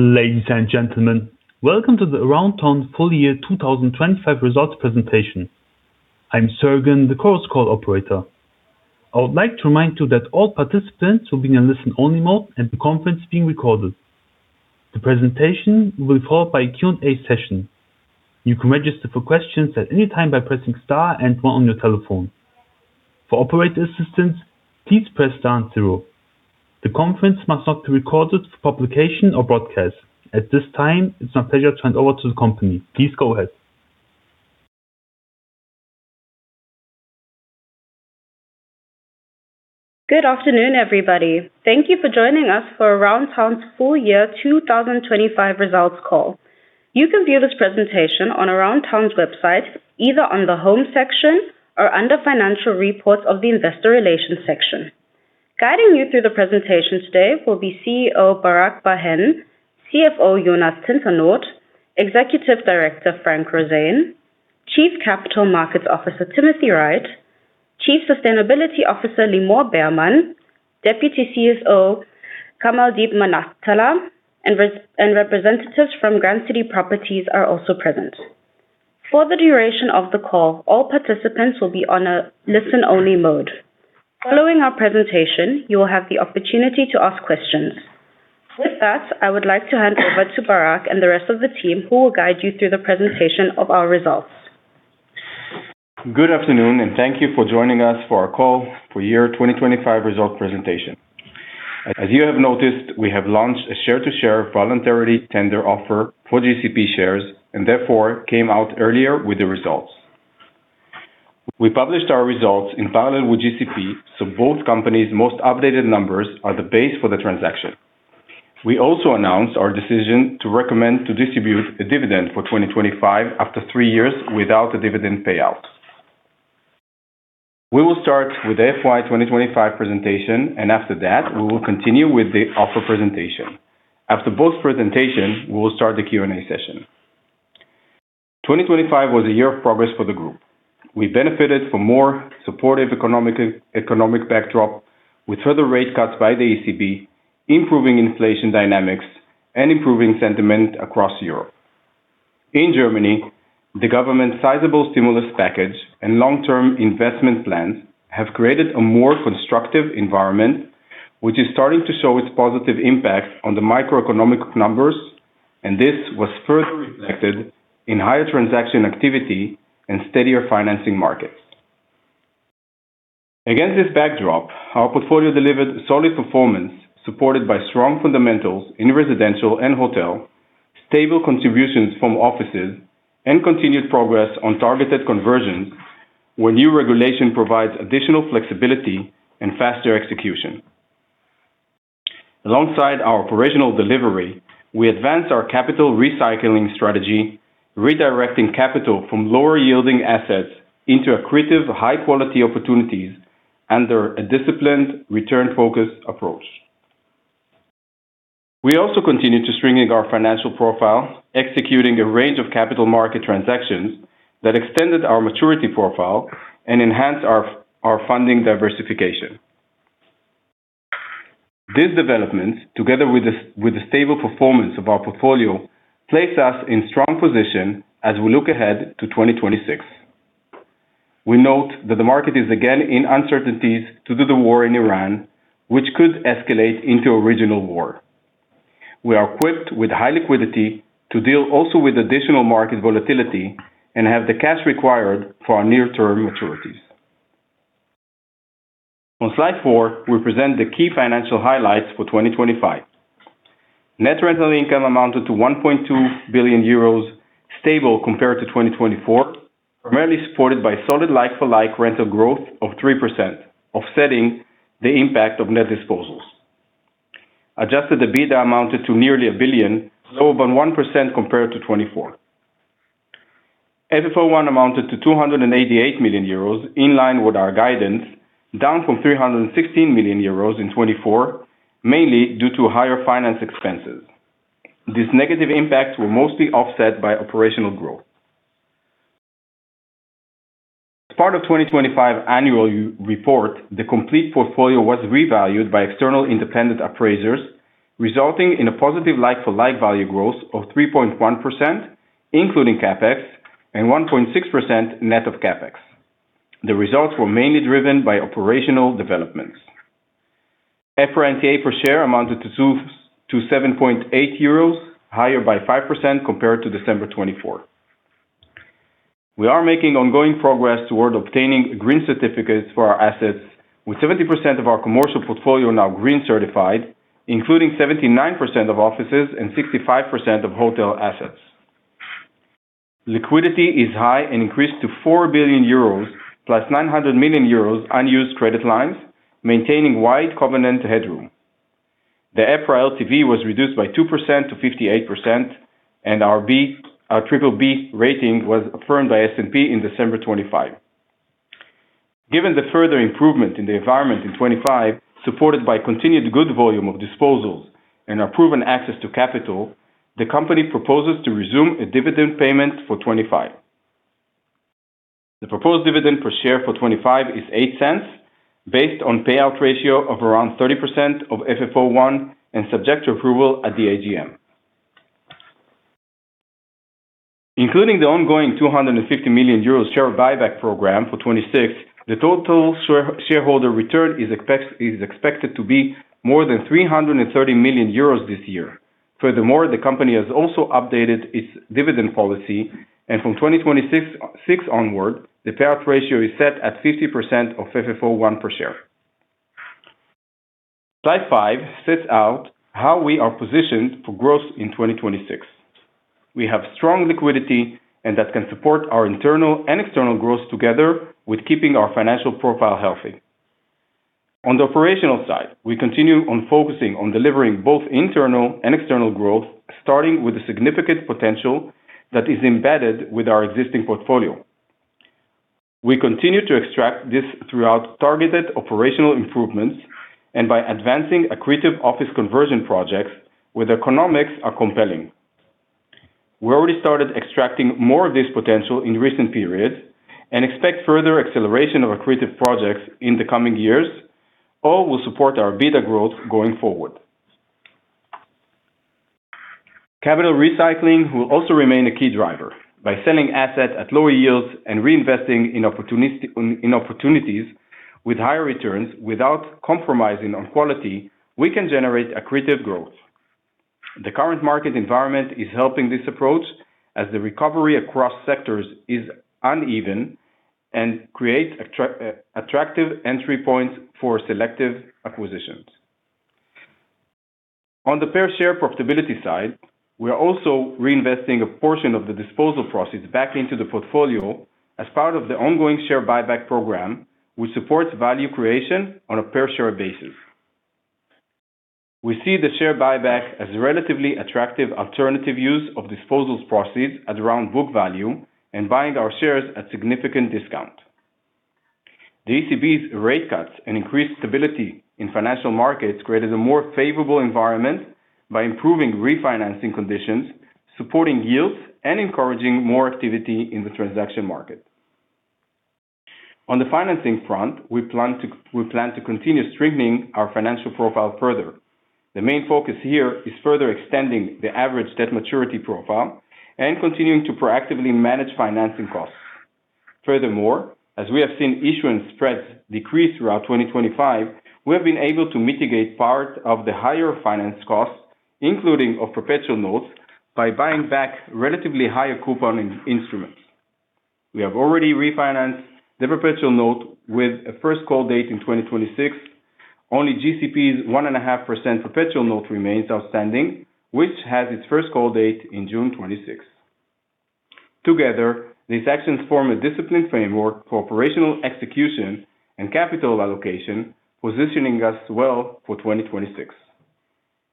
Ladies and gentlemen, welcome to the Aroundtown Full-Year 2025 Results Presentation. I'm Sergen, the Chorus Call operator. I would like to remind you that all participants will be in listen-only mode and the conference is being recorded. The presentation will be followed by a Q&A session. You can register for questions at any time by pressing star one on your telephone. For operator assistance, please press star zero. The conference must not be recorded for publication or broadcast. At this time, it's my pleasure to hand over to the company. Please go ahead. Good afternoon, everybody. Thank you for joining us for Aroundtown's Full-Year 2025 Results Call. You can view this presentation on Aroundtown's website, either on the home section or under financial reports of the investor relations section. Guiding you through the presentation today will be CEO Barak Bar-Hen, CFO Jonas Tintelnot, Executive Director Frank Roseen, Chief Capital Markets Officer Timothy Wright, Chief Sustainability Officer Limor Bermann, Deputy CEO Kamaldeep Manaktala, and representatives from Grand City Properties are also present. For the duration of the call, all participants will be on a listen-only mode. Following our presentation, you will have the opportunity to ask questions. With that, I would like to hand over to Barak and the rest of the team, who will guide you through the presentation of our results. Good afternoon, and thank you for joining us for our call for year 2025 result presentation. As you have noticed, we have launched a share-to-share voluntary tender offer for GCP shares and therefore came out earlier with the results. We published our results in parallel with GCP, so both companies' most updated numbers are the base for the transaction. We also announced our decision to recommend to distribute a dividend for 2025 after three years without a dividend payout. We will start with FY 2025 presentation, and after that, we will continue with the offer presentation. After both presentations, we will start the Q&A session. 2025 was a year of progress for the group. We benefited from more supportive economic backdrop with further rate cuts by the ECB, improving inflation dynamics, and improving sentiment across Europe. In Germany, the government's sizable stimulus package and long-term investment plans have created a more constructive environment, which is starting to show its positive impact on the microeconomic numbers. This was further reflected in higher transaction activity and steadier financing markets. Against this backdrop, our portfolio delivered solid performance, supported by strong fundamentals in residential and hotel, stable contributions from offices, and continued progress on targeted conversions, where new regulation provides additional flexibility and faster execution. Alongside our operational delivery, we advanced our capital recycling strategy, redirecting capital from lower-yielding assets into accretive, high-quality opportunities under a disciplined return-focused approach. We also continued to strengthen our financial profile, executing a range of capital market transactions that extended our maturity profile and enhanced our funding diversification. These developments, together with the stable performance of our portfolio, place us in strong position as we look ahead to 2026. We note that the market is again in uncertainties due to the war in Ukraine, which could escalate into a regional war. We are equipped with high liquidity to deal also with additional market volatility and have the cash required for our near-term maturities. On slide 4, we present the key financial highlights for 2025. Net rental income amounted to 1.2 billion euros, stable compared to 2024, primarily supported by solid like-for-like rental growth of 3%, offsetting the impact of net disposals. Adjusted EBITDA amounted to nearly 1 billion, lower than 1% compared to 2024. FFO I amounted to 288 million euros, in line with our guidance, down from 316 million euros in 2024, mainly due to higher finance expenses. These negative impacts were mostly offset by operational growth. As part of 2025 annual report, the complete portfolio was revalued by external independent appraisers, resulting in a positive like-for-like value growth of 3.1%, including CapEx, and 1.6% net of CapEx. The results were mainly driven by operational developments. EPRA NTA per share amounted to 7.8 euros, higher by 5% compared to December 2024. We are making ongoing progress toward obtaining green certificates for our assets, with 70% of our commercial portfolio now green certified, including 79% of offices and 65% of hotel assets. Liquidity is high and increased to 4 billion euros, plus 900 million euros unused credit lines, maintaining wide covenant headroom. The EPRA LTV was reduced by 2% to 58%, and our BBB rating was affirmed by S&P in December 2025. Given the further improvement in the environment in 2025, supported by continued good volume of disposals and our proven access to capital, the company proposes to resume a dividend payment for 2025. The proposed dividend per share for 2025 is 0.08 based on payout ratio of around 30% of FFO I and subject to approval at the AGM. Including the ongoing 250 million euros share buyback program for 2026, the total shareholder return is expected to be more than 330 million euros this year. Furthermore, the company has also updated its dividend policy, and from 2026 onward, the payout ratio is set at 50% of FFO I per share. Slide 5 sets out how we are positioned for growth in 2026. We have strong liquidity. That can support our internal and external growth together with keeping our financial profile healthy. On the operational side, we continue on focusing on delivering both internal and external growth, starting with the significant potential that is embedded with our existing portfolio. We continue to extract this throughout targeted operational improvements and by advancing accretive office conversion projects where the economics are compelling. We already started extracting more of this potential in recent periods and expect further acceleration of accretive projects in the coming years. All will support our beta growth going forward. Capital recycling will also remain a key driver. By selling assets at lower yields and reinvesting in opportunities with higher returns without compromising on quality, we can generate accretive growth. The current market environment is helping this approach as the recovery across sectors is uneven and create attractive entry points for selective acquisitions. On the per share profitability side, we are also reinvesting a portion of the disposal proceeds back into the portfolio as part of the ongoing share buyback program, which supports value creation on a per share basis. We see the share buyback as a relatively attractive alternative use of disposals proceeds at around book value and buying our shares at significant discount. The ECB's rate cuts and increased stability in financial markets created a more favorable environment by improving refinancing conditions, supporting yields, and encouraging more activity in the transaction market. On the financing front, we plan to continue strengthening our financial profile further. The main focus here is further extending the average debt maturity profile and continuing to proactively manage financing costs. Furthermore, as we have seen issuance spreads decrease throughout 2025, we have been able to mitigate part of the higher finance costs, including of perpetual notes, by buying back relatively higher couponing instruments. We have already refinanced the perpetual note with a first call date in 2026. Only GCP's 1.5% perpetual note remains outstanding, which has its first call date in June 26th. Together, these actions form a disciplined framework for operational execution and capital allocation, positioning us well for 2026.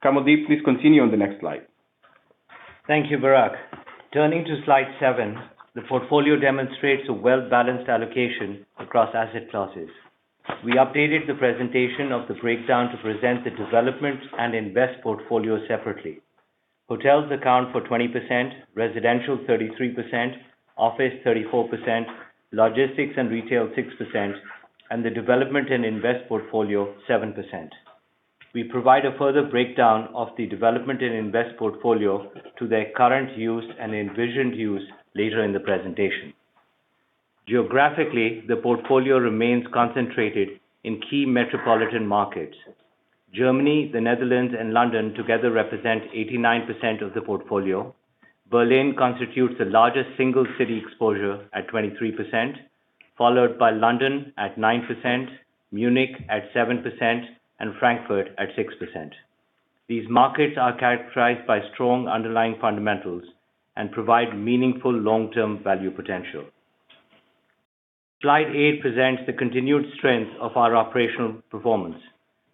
Kamaldeep, please continue on the next slide. Thank you, Barak. Turning to slide 7, the portfolio demonstrates a well-balanced allocation across asset classes. We updated the presentation of the breakdown to present the development and invest portfolio separately. Hotels account for 20%, residential 33%, office 34%, logistics and retail 6%, and the development and invest portfolio 7%. We provide a further breakdown of the development and invest portfolio to their current use and envisioned use later in the presentation. Geographically, the portfolio remains concentrated in key metropolitan markets. Germany, the Netherlands, and London together represent 89% of the portfolio. Berlin constitutes the largest single city exposure at 23%, followed by London at 9%, Munich at 7%, and Frankfurt at 6%. These markets are characterized by strong underlying fundamentals and provide meaningful long-term value potential. Slide 8 presents the continued strength of our operational performance,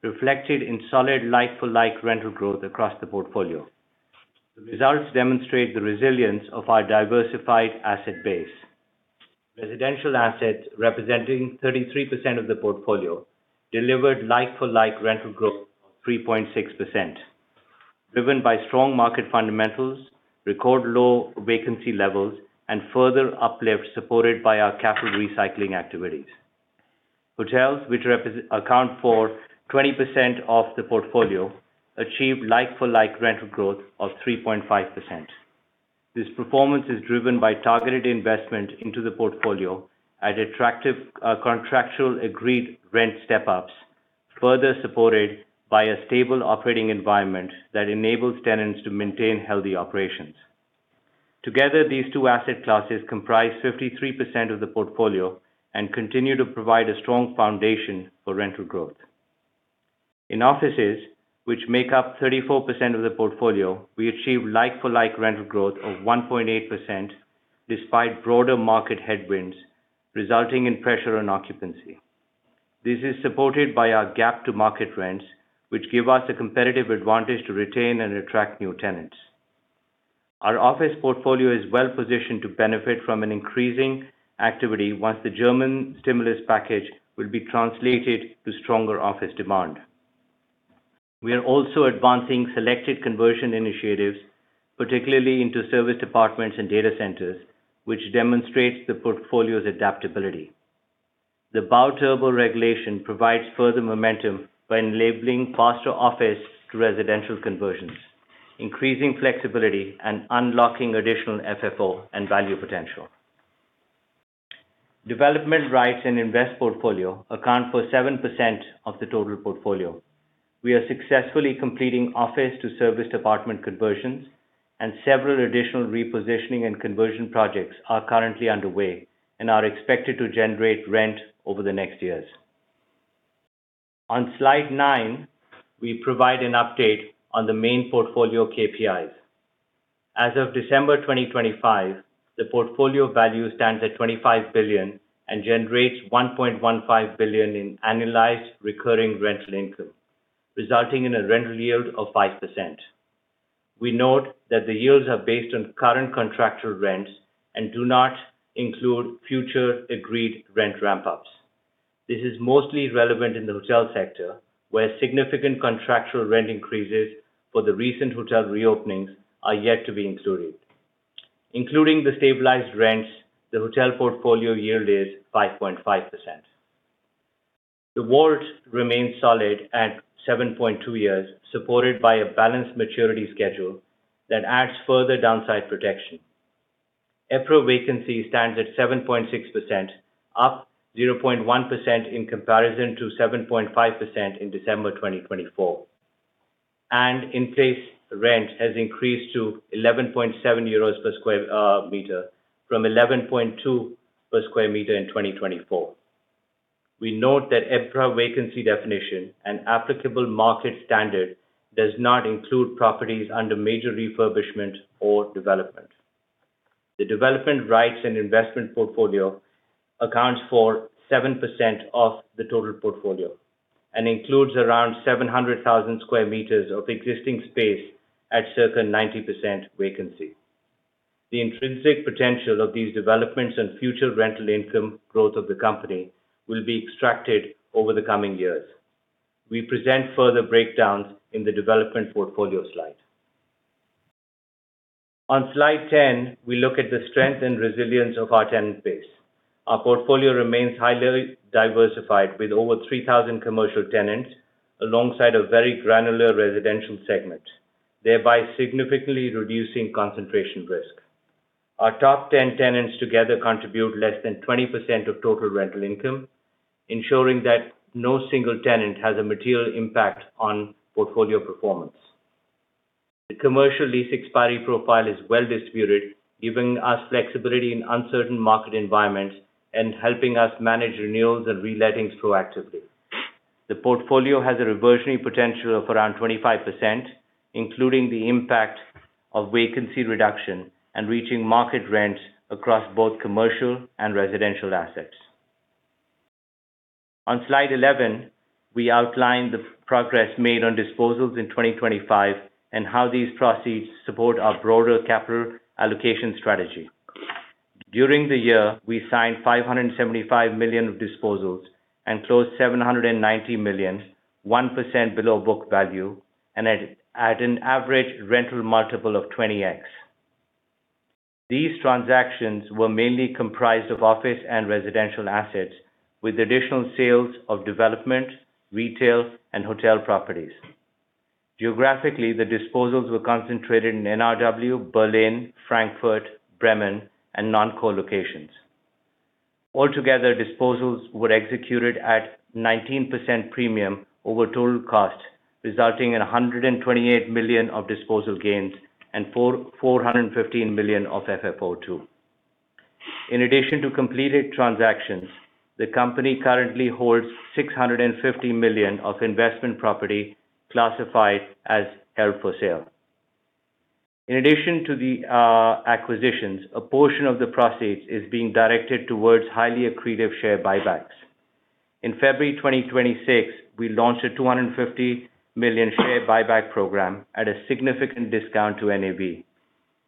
reflected in solid like-for-like rental growth across the portfolio. The results demonstrate the resilience of our diversified asset base. Residential assets, representing 33% of the portfolio, delivered like-for-like rental growth of 3.6%. Driven by strong market fundamentals, record low vacancy levels, and further uplift supported by our capital recycling activities. Hotels, which account for 20% of the portfolio, achieved like-for-like rental growth of 3.5%. This performance is driven by targeted investment into the portfolio at attractive contractual agreed rent step-ups, further supported by a stable operating environment that enables tenants to maintain healthy operations. Together, these two asset classes comprise 53% of the portfolio and continue to provide a strong foundation for rental growth. In offices, which make up 34% of the portfolio, we achieved like-for-like rental growth of 1.8% despite broader market headwinds, resulting in pressure on occupancy. This is supported by our gap-to-market rents, which give us a competitive advantage to retain and attract new tenants. Our office portfolio is well-positioned to benefit from an increasing activity once the German stimulus package will be translated to stronger office demand. We are also advancing selected conversion initiatives, particularly into service departments and data centers, which demonstrates the portfolio's adaptability. The Bau-Turbo regulation provides further momentum by enabling faster office to residential conversions, increasing flexibility and unlocking additional FFO and value potential. Development rights and invest portfolio account for 7% of the total portfolio. We are successfully completing office to service department conversions, and several additional repositioning and conversion projects are currently underway and are expected to generate rent over the next years. On slide 9, we provide an update on the main portfolio KPIs. As of December 2025, the portfolio value stands at 25 billion and generates 1.15 billion in annualized recurring rental income, resulting in a rental yield of 5%. We note that the yields are based on current contractual rents and do not include future agreed rent ramp-ups. This is mostly relevant in the hotel sector, where significant contractual rent increases for the recent hotel reopenings are yet to be included. Including the stabilized rents, the hotel portfolio yield is 5.5%. The WALT remains solid at 7.2 years, supported by a balanced maturity schedule that adds further downside protection. EPRA vacancy stands at 7.6%, up 0.1% in comparison to 7.5% in December 2024. In-place rent has increased to 11.7 euros per square meter from 11.2 per square meter in 2024. We note that EPRA vacancy definition and applicable market standard does not include properties under major refurbishment or development. The development rights and investment portfolio accounts for 7% of the total portfolio and includes around 700,000 sqm of existing space at circa 90% vacancy. The intrinsic potential of these developments and future rental income growth of the company will be extracted over the coming years. We present further breakdowns in the development portfolio slide. On slide 10, we look at the strength and resilience of our tenant base. Our portfolio remains highly diversified with over 3,000 commercial tenants alongside a very granular residential segment, thereby significantly reducing concentration risk. Our top 10 tenants together contribute less than 20% of total rental income, ensuring that no single tenant has a material impact on portfolio performance. The commercial lease expiry profile is well disputed, giving us flexibility in uncertain market environments and helping us manage renewals and relettings proactively. The portfolio has a reversionary potential of around 25%, including the impact of vacancy reduction and reaching market rent across both commercial and residential assets. On slide 11, we outline the progress made on disposals in 2025 and how these proceeds support our broader capital allocation strategy. During the year, we signed 575 million of disposals and closed 790 million, 1% below book value and at an average rental multiple of 20x. These transactions were mainly comprised of office and residential assets with additional sales of development, retail, and hotel properties. Geographically, the disposals were concentrated in NRW, Berlin, Frankfurt, Bremen, and non-core locations. Altogether, disposals were executed at 19% premium over total cost, resulting in 128 million of disposal gains and 415 million of FFO II. In addition to completed transactions, the company currently holds 650 million of investment property classified as held for sale. In addition to the acquisitions, a portion of the proceeds is being directed towards highly accretive share buybacks. In February 2026, we launched a 250 million share buyback program at a significant discount to NAV,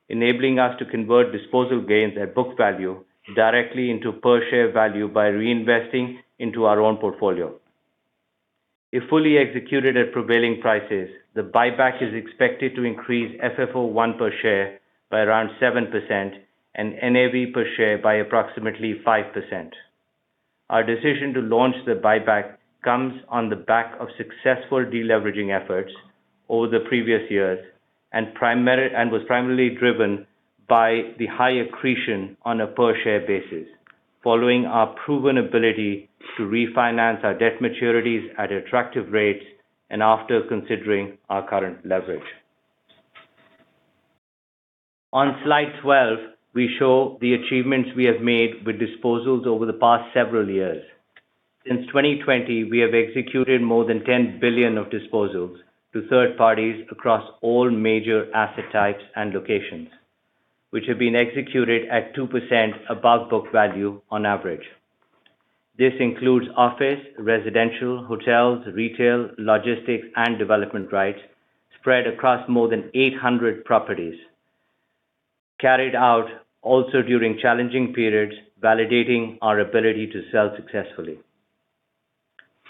enabling us to convert disposal gains at book value directly into per share value by reinvesting into our own portfolio. If fully executed at prevailing prices, the buyback is expected to increase FFO I per share by around 7% and NAV per share by approximately 5%. Our decision to launch the buyback comes on the back of successful deleveraging efforts over the previous years and was primarily driven by the high accretion on a per share basis following our proven ability to refinance our debt maturities at attractive rates and after considering our current leverage. On slide 12, we show the achievements we have made with disposals over the past several years. Since 2020, we have executed more than 10 billion of disposals to third parties across all major asset types and locations, which have been executed at 2% above book value on average. This includes office, residential, hotels, retail, logistics, and development rights spread across more than 800 properties. Carried out also during challenging periods, validating our ability to sell successfully.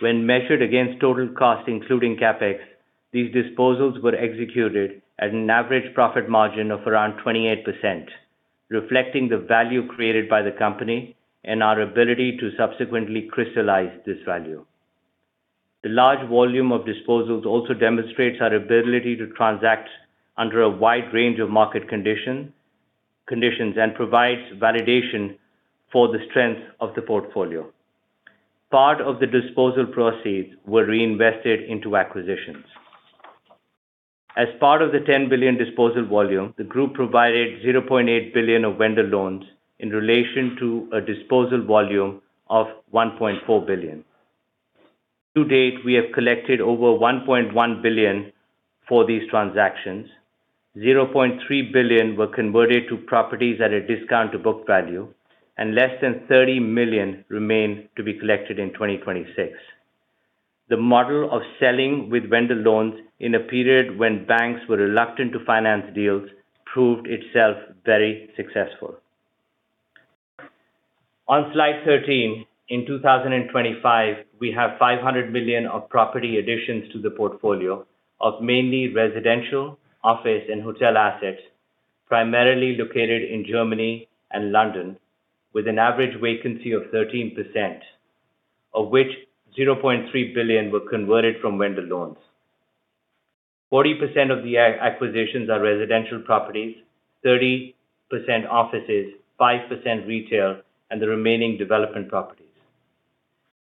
When measured against total cost, including CapEx, these disposals were executed at an average profit margin of around 28%, reflecting the value created by the company and our ability to subsequently crystallize this value. The large volume of disposals also demonstrates our ability to transact under a wide range of market conditions and provides validation for the strength of the portfolio. Part of the disposal proceeds were reinvested into acquisitions. As part of the 10 billion disposal volume, the group provided 0.8 billion of vendor loans in relation to a disposal volume of 1.4 billion. To date, we have collected over 1.1 billion for these transactions. 0.3 billion were converted to properties at a discount to book value, and less than 30 million remain to be collected in 2026. The model of selling with vendor loans in a period when banks were reluctant to finance deals proved itself very successful. On slide 13. In 2025, we have 500 million of property additions to the portfolio of mainly residential, office, and hotel assets, primarily located in Germany and London, with an average vacancy of 13%, of which 0.3 billion were converted from vendor loans. 40% of the acquisitions are residential properties, 30% offices, 5% retail, and the remaining development properties.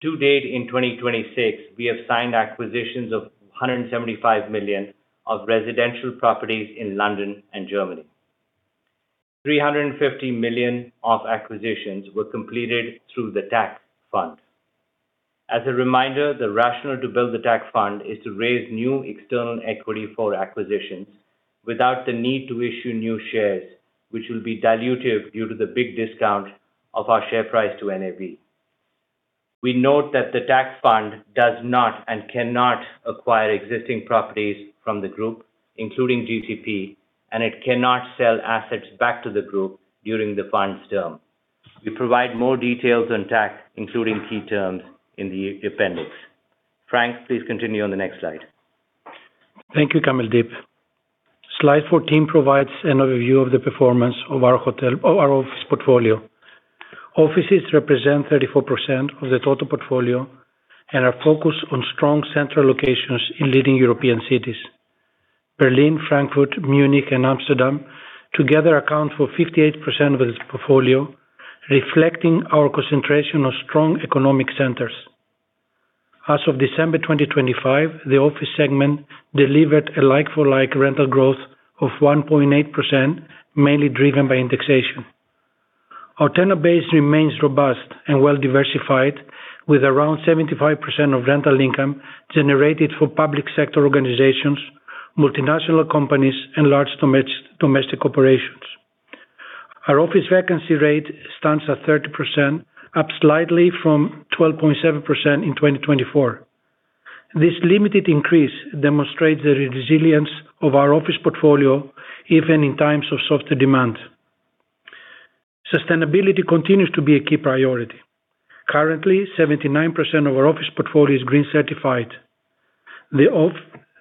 To date, in 2026, we have signed acquisitions of 175 million of residential properties in London and Germany. 350 million of acquisitions were completed through the TAC fund. As a reminder, the rationale to build the TAC fund is to raise new external equity for acquisitions without the need to issue new shares, which will be dilutive due to the big discount of our share price to NAV. We note that the TAC fund does not and cannot acquire existing properties from the group, including GCP, and it cannot sell assets back to the group during the fund's term. We provide more details on TAC, including key terms, in the appendix. Frank, please continue on the next slide. Thank you, Kamaldeep. Slide 14 provides an overview of the performance of our office portfolio. Offices represent 34% of the total portfolio and are focused on strong central locations in leading European cities. Berlin, Frankfurt, Munich, and Amsterdam together account for 58% of this portfolio, reflecting our concentration on strong economic centers. As of December 2025, the office segment delivered a like-for-like rental growth of 1.8%, mainly driven by indexation. Our tenant base remains robust and well-diversified, with around 75% of rental income generated for public sector organizations, multinational companies, and large domestic operations. Our office vacancy rate stands at 30%, up slightly from 12.7% in 2024. This limited increase demonstrates the resilience of our office portfolio, even in times of softer demand. Sustainability continues to be a key priority. Currently, 79% of our office portfolio is green certified.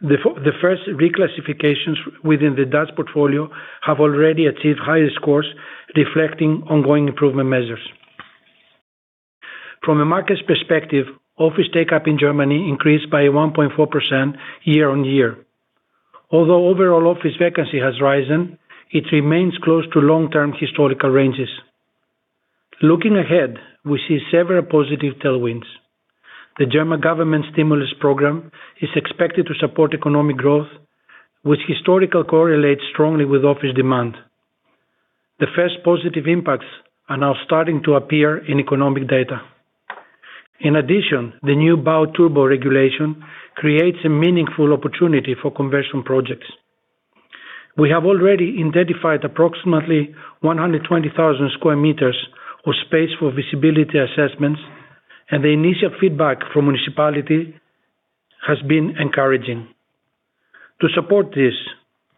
The first reclassifications within the Dutch portfolio have already achieved higher scores, reflecting ongoing improvement measures. From a market perspective, office take-up in Germany increased by 1.4% year-on-year. Overall office vacancy has risen, it remains close to long-term historical ranges. Looking ahead, we see several positive tailwinds. The German government stimulus program is expected to support economic growth, which historically correlates strongly with office demand. The first positive impacts are now starting to appear in economic data. The new Bau-Turbo regulation creates a meaningful opportunity for conversion projects. We have already identified approximately 120,000 sqm of space for visibility assessments, the initial feedback from municipality has been encouraging. To support this,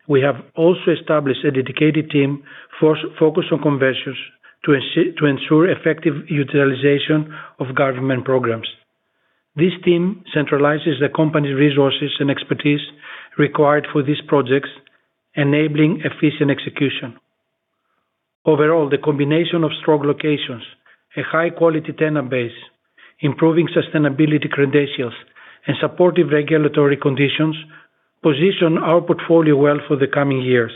we have also established a dedicated team focused on conversions to ensure effective utilization of government programs. This team centralizes the company's resources and expertise required for these projects, enabling efficient execution. Overall, the combination of strong locations, a high-quality tenant base, improving sustainability credentials, and supportive regulatory conditions position our portfolio well for the coming years.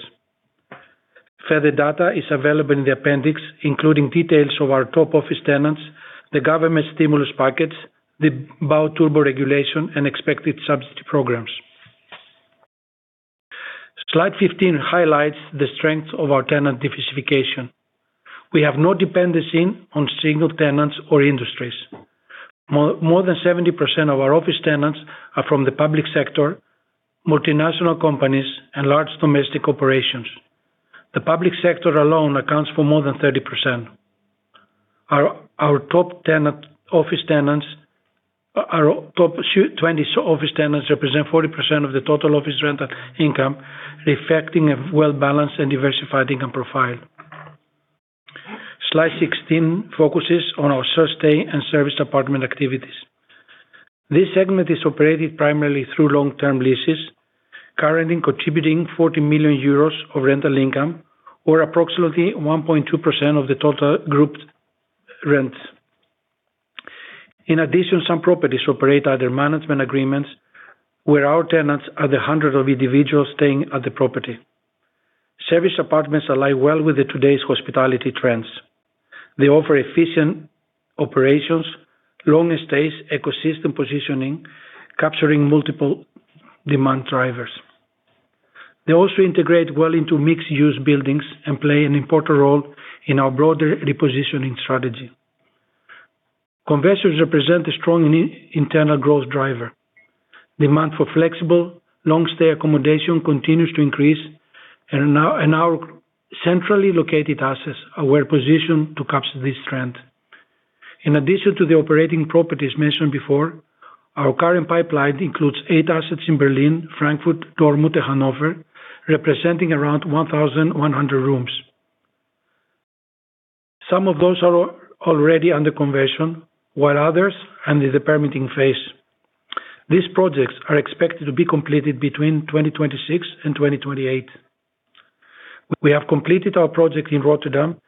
Further data is available in the appendix, including details of our top office tenants, the government stimulus package, the Bau-Turbo regulation, and expected subsidy programs. Slide 15 highlights the strengths of our tenant diversification. We have no dependency on single tenants or industries. More than 70% of our office tenants are from the public sector, multinational companies, and large domestic operations. The public sector alone accounts for more than 30%. Our top 20 office tenants represent 40% of the total office rental income, reflecting a well-balanced and diversified income profile. Slide 16 focuses on our first day and service department activities. This segment is operated primarily through long-term leases, currently contributing 40 million euros of rental income, or approximately 1.2% of the total group rents. In addition, some properties operate under management agreements, where our tenants are the hundreds of individuals staying at the property. Service apartments align well with the today's hospitality trends. They offer efficient operations, long stays, ecosystem positioning, capturing multiple demand drivers. They also integrate well into mixed-use buildings and play an important role in our broader repositioning strategy. Conversions represent a strong internal growth driver. Demand for flexible long stay accommodation continues to increase, now, in our centrally located assets are well-positioned to capture this trend. In addition to the operating properties mentioned before, our current pipeline includes eight assets in Berlin, Frankfurt, Dortmund, and Hanover, representing around 1,100 rooms. Some of those are already under conversion, while others under the permitting phase. These projects are expected to be completed between 2026 and 2028. We have completed our project in Rotterdam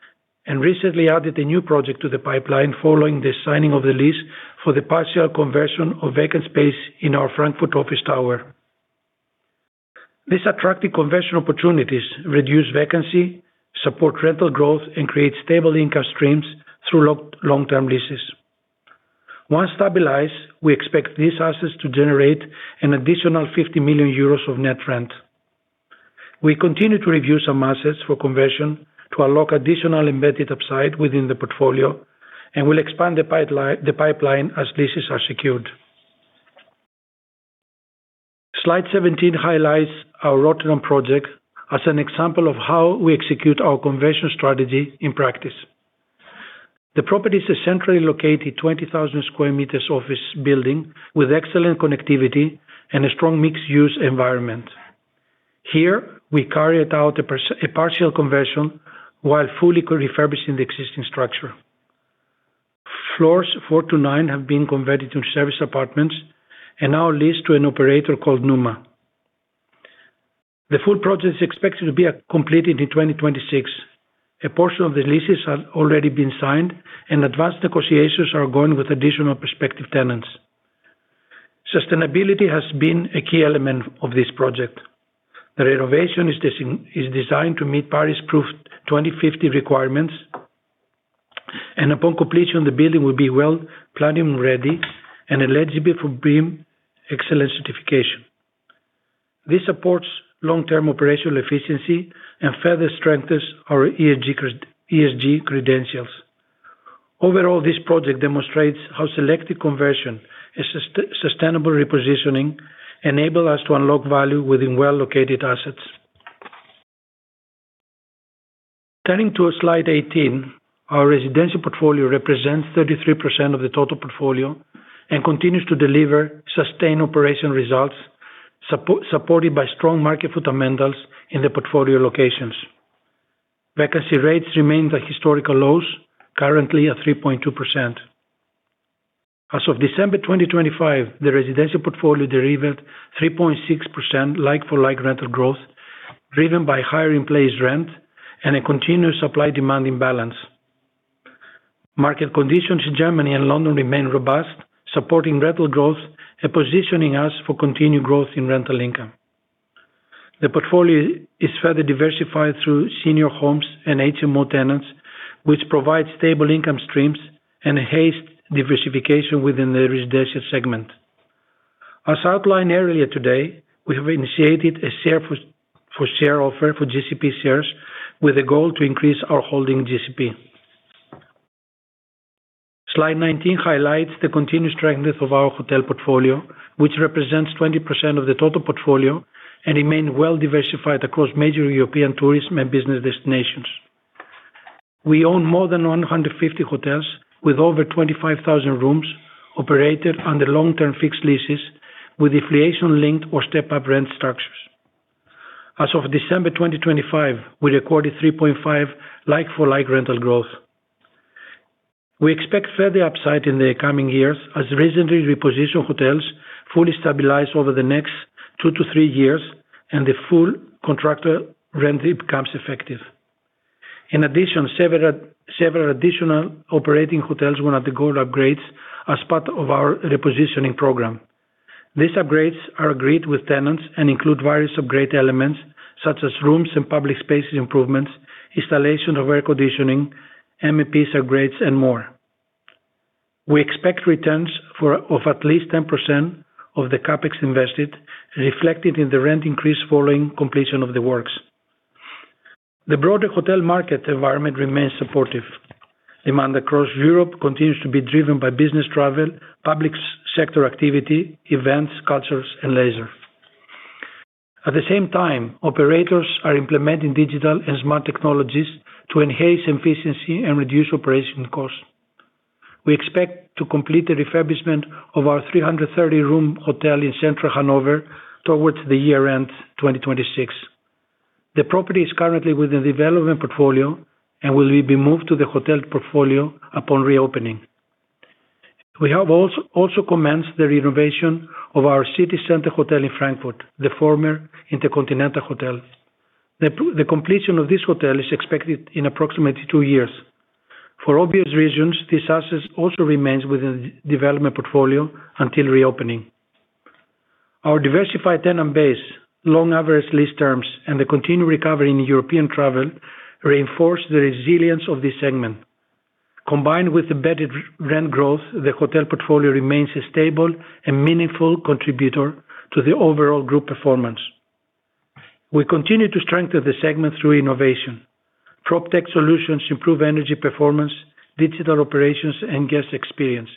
and recently added a new project to the pipeline following the signing of the lease for the partial conversion of vacant space in our Frankfurt office tower. These attractive conversion opportunities reduce vacancy, support rental growth, and create stable income streams through long-term leases. Once stabilized, we expect these assets to generate an additional 50 million euros of net rent. We continue to review some assets for conversion to unlock additional embedded upside within the portfolio and will expand the pipeline as leases are secured. Slide 17 highlights our Rotterdam project as an example of how we execute our conversion strategy in practice. The property is a centrally located 20,000 sqm office building with excellent connectivity and a strong mixed-use environment. Here we carried out a partial conversion while fully refurbishing the existing structure. Floors 4 to 9 have been converted to service apartments and now leased to an operator called Numa. The full project is expected to be completed in 2026. A portion of the leases have already been signed, and advanced negotiations are ongoing with additional prospective tenants. Sustainability has been a key element of this project. The renovation is designed to meet Paris Proof 2050 requirements, and upon completion, the building will be WELL Platinum ready and eligible for BREEAM Excellent certification. This supports long-term operational efficiency and further strengthens our ESG credentials. Overall, this project demonstrates how selective conversion is sustainable repositioning enable us to unlock value within well-located assets. Turning to slide 18. Our residential portfolio represents 33% of the total portfolio and continues to deliver sustained operation results supported by strong market fundamentals in the portfolio locations. Vacancy rates remain at historical lows, currently at 3.2%. As of December 2025, the residential portfolio delivered 3.6% like-for like rental growth, driven by higher in place rent and a continuous supply demand imbalance. Market conditions in Germany and London remain robust, supporting rental growth and positioning us for continued growth in rental income. The portfolio is further diversified through senior homes and HMO tenants, which provide stable income streams and haste diversification within the residential segment. As outlined earlier today, we have initiated a share for share offer for GCP shares with a goal to increase our holding in GCP. Slide 19 highlights the continued strength of our hotel portfolio, which represents 20% of the total portfolio and remain well diversified across major European tourism and business destinations. We own more than 150 hotels with over 25,000 rooms operated under long-term fixed leases with inflation linked or step up rent structures. As of December 2025, we recorded 3.5% like-for-like rental growth. We expect further upside in the coming years as recently repositioned hotels fully stabilize over the next two to three years and the full contractor rent becomes effective. In addition, several additional operating hotels will undergo upgrades as part of our repositioning program. These upgrades are agreed with tenants and include various upgrade elements such as rooms and public spaces improvements, installation of air conditioning, MEP upgrades, and more. We expect returns of at least 10% of the CapEx invested, reflected in the rent increase following completion of the works. The broader hotel market environment remains supportive. Demand across Europe continues to be driven by business travel, public sector activity, events, cultures and leisure. At the same time, operators are implementing digital and smart technologies to enhance efficiency and reduce operation costs. We expect to complete the refurbishment of our 330 room hotel in Central Hanover towards the year-end 2026. The property is currently within the development portfolio and will be moved to the hotel portfolio upon reopening. We have also commenced the renovation of our city center hotel in Frankfurt, the former InterContinental Hotel. The completion of this hotel is expected in approximately two years. For obvious reasons, this asset also remains within the development portfolio until reopening. Our diversified tenant base, long average lease terms, and the continued recovery in European travel reinforce the resilience of this segment. Combined with embedded rent growth, the hotel portfolio remains a stable and meaningful contributor to the overall group performance. We continue to strengthen the segment through innovation. PropTech solutions improve energy performance, digital operations, and guest experience.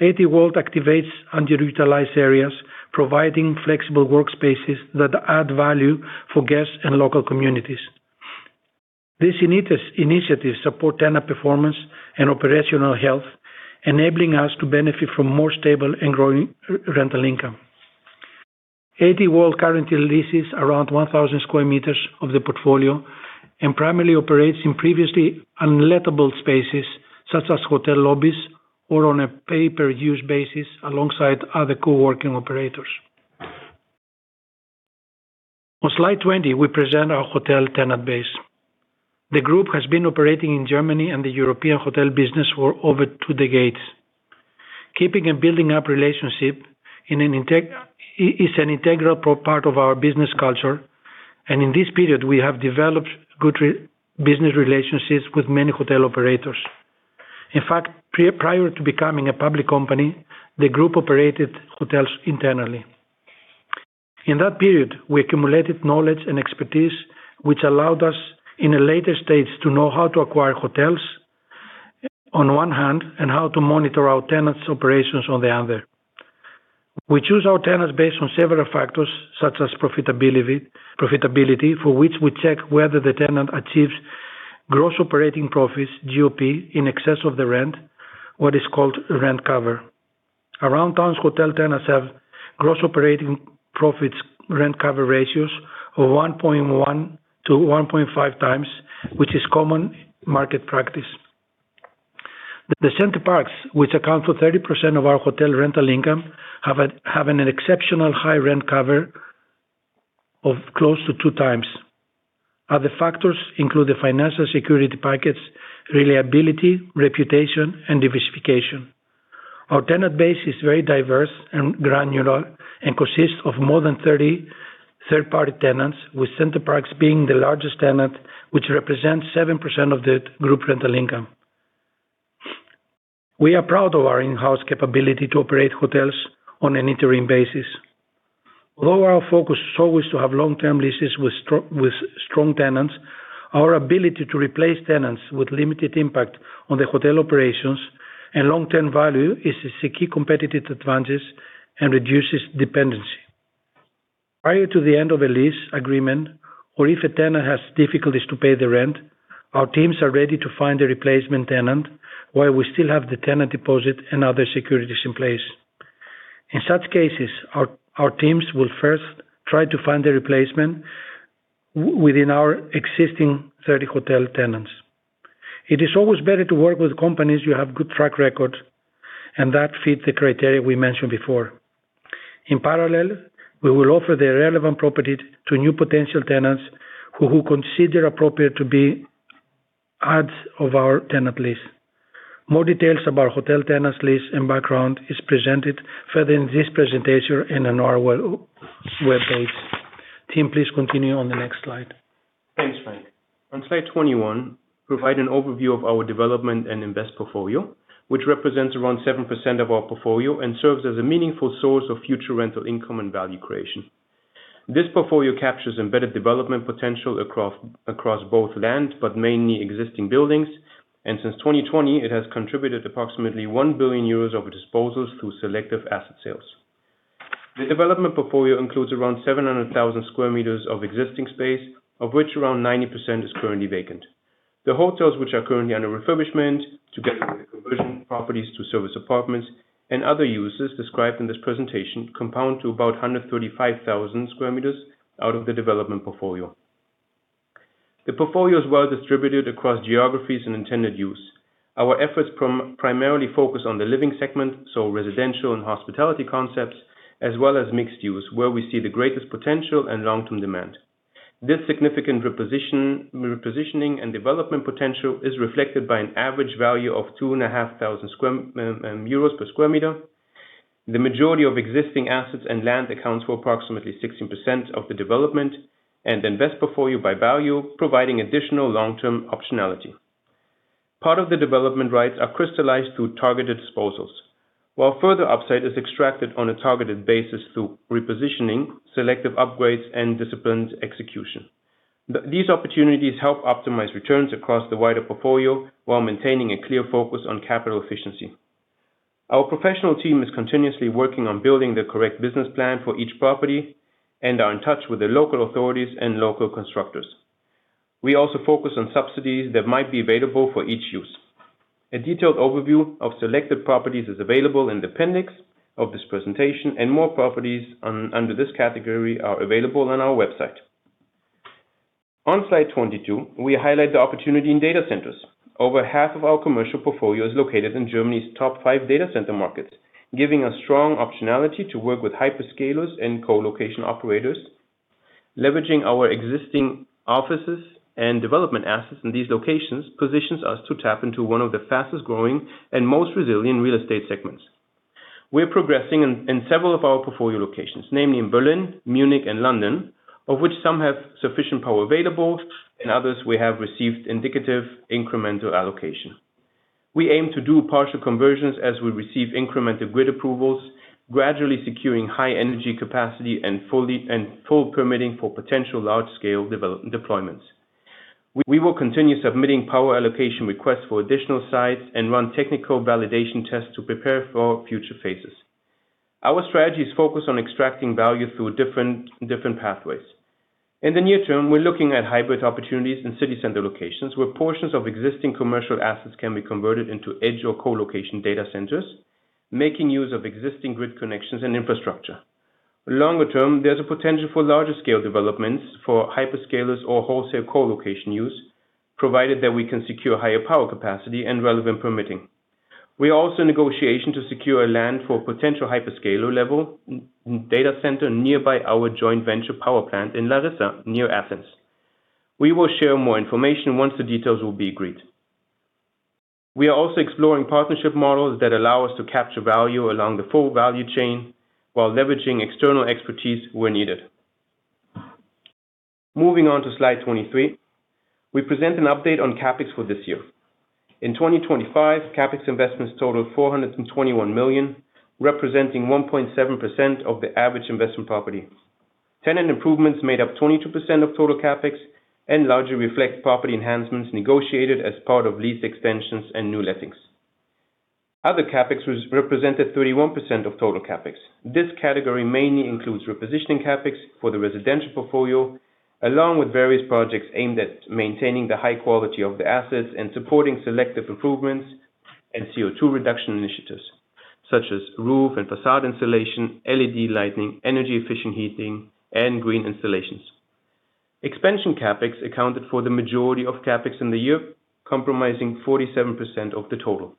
ATworld activates underutilized areas, providing flexible workspaces that add value for guests and local communities. These initiatives support tenant performance and operational health, enabling us to benefit from more stable and growing rental income. ATworld currently leases around 1,000 sqm of the portfolio and primarily operates in previously unlettable spaces, such as hotel lobbies or on a pay-per-use basis alongside other co-working operators. On slide 20, we present our hotel tenant base. The group has been operating in Germany and the European hotel business for over two decades. Keeping and building up relationship is an integral part of our business culture. In this period, we have developed good business relationships with many hotel operators. In fact, prior to becoming a public company, the group operated hotels internally. In that period, we accumulated knowledge and expertise, which allowed us, in a later stage, to know how to acquire hotels on one hand and how to monitor our tenants' operations on the other. We choose our tenants based on several factors, such as profitability, for which we check whether the tenant achieves gross operating profits, GOP, in excess of the rent, what is called rent cover. Aroundtown's hotel tenants have gross operating profits rent cover ratios of 1.1x to 1.5x, which is common market practice. The Center Parcs, which account for 30% of our hotel rental income, have an exceptional high rent cover of close to 2x. Other factors include the financial security package, reliability, reputation, and diversification. Our tenant base is very diverse and granular and consists of more than 30 third-party tenants, with Center Parcs being the largest tenant, which represents 7% of the group rental income. We are proud of our in-house capability to operate hotels on an interim basis. Although our focus is always to have long-term leases with strong tenants, our ability to replace tenants with limited impact on the hotel operations and long-term value is a key competitive advantage and reduces dependency. Prior to the end of a lease agreement or if a tenant has difficulties to pay the rent, our teams are ready to find a replacement tenant while we still have the tenant deposit and other securities in place. In such cases, our teams will first try to find a replacement within our existing 30 hotel tenants. It is always better to work with companies who have good track record and that fit the criteria we mentioned before. In parallel, we will offer the relevant property to new potential tenants who consider appropriate to be adds of our tenant list. More details about hotel tenants list and background is presented further in this presentation in our web page. Tim, please continue on the next slide. Thanks, Frank. On slide 21, provide an overview of our development and invest portfolio, which represents around 7% of our portfolio and serves as a meaningful source of future rental income and value creation. This portfolio captures embedded development potential across both land, but mainly existing buildings. Since 2020, it has contributed approximately 1 billion euros over disposals through selective asset sales. The development portfolio includes around 700,000 sqm of existing space, of which around 90% is currently vacant. The hotels which are currently under refurbishment, together with the conversion properties to service apartments and other users described in this presentation, compound to about 135,000 sqm out of the development portfolio. The portfolio is well distributed across geographies and intended use. Our efforts primarily focus on the living segment, so residential and hospitality concepts, as well as mixed use, where we see the greatest potential and long-term demand. This significant repositioning and development potential is reflected by an average value of 2,500 euros per square meter. The majority of existing assets and land accounts for approximately 16% of the development and invest portfolio by value, providing additional long-term optionality. Part of the development rights are crystallized through targeted disposals. While further upside is extracted on a targeted basis through repositioning, selective upgrades, and disciplined execution. These opportunities help optimize returns across the wider portfolio while maintaining a clear focus on capital efficiency. Our professional team is continuously working on building the correct business plan for each property and are in touch with the local authorities and local constructors. We also focus on subsidies that might be available for each use. A detailed overview of selected properties is available in the appendix of this presentation, and more properties under this category are available on our website. On slide 22, we highlight the opportunity in data centers. Over half of our commercial portfolio is located in Germany's top 5 data center markets, giving us strong optionality to work with hyperscalers and co-location operators. Leveraging our existing offices and development assets in these locations positions us to tap into one of the fastest-growing and most resilient real estate segments. We're progressing in several of our portfolio locations, namely in Berlin, Munich, and London, of which some have sufficient power available and others we have received indicative incremental allocation. We aim to do partial conversions as we receive incremental grid approvals, gradually securing high energy capacity and full permitting for potential large-scale deployments. We will continue submitting power allocation requests for additional sites and run technical validation tests to prepare for future phases. Our strategy is focused on extracting value through different pathways. In the near term, we're looking at hybrid opportunities in city center locations, where portions of existing commercial assets can be converted into edge or co-location data centers, making use of existing grid connections and infrastructure. Longer term, there's a potential for larger scale developments for hyperscalers or wholesale co-location use, provided that we can secure higher power capacity and relevant permitting. We are also in negotiation to secure land for potential hyperscaler level data center nearby our joint venture power plant in Larissa, near Athens. We will share more information once the details will be agreed. We are also exploring partnership models that allow us to capture value along the full value chain while leveraging external expertise where needed. Moving on to slide 23. We present an update on CapEx for this year. In 2025, CapEx investments totaled 421 million, representing 1.7% of the average investment property. Tenant improvements made up 22% of total CapEx and largely reflect property enhancements negotiated as part of lease extensions and new lettings. Other CapEx represented 31% of total CapEx. This category mainly includes repositioning CapEx for the residential portfolio, along with various projects aimed at maintaining the high quality of the assets and supporting selective improvements and CO2 reduction initiatives, such as roof and facade insulation, LED lighting, energy-efficient heating, and green installations. Expansion CapEx accounted for the majority of CapEx in the year, compromising 47% of the total.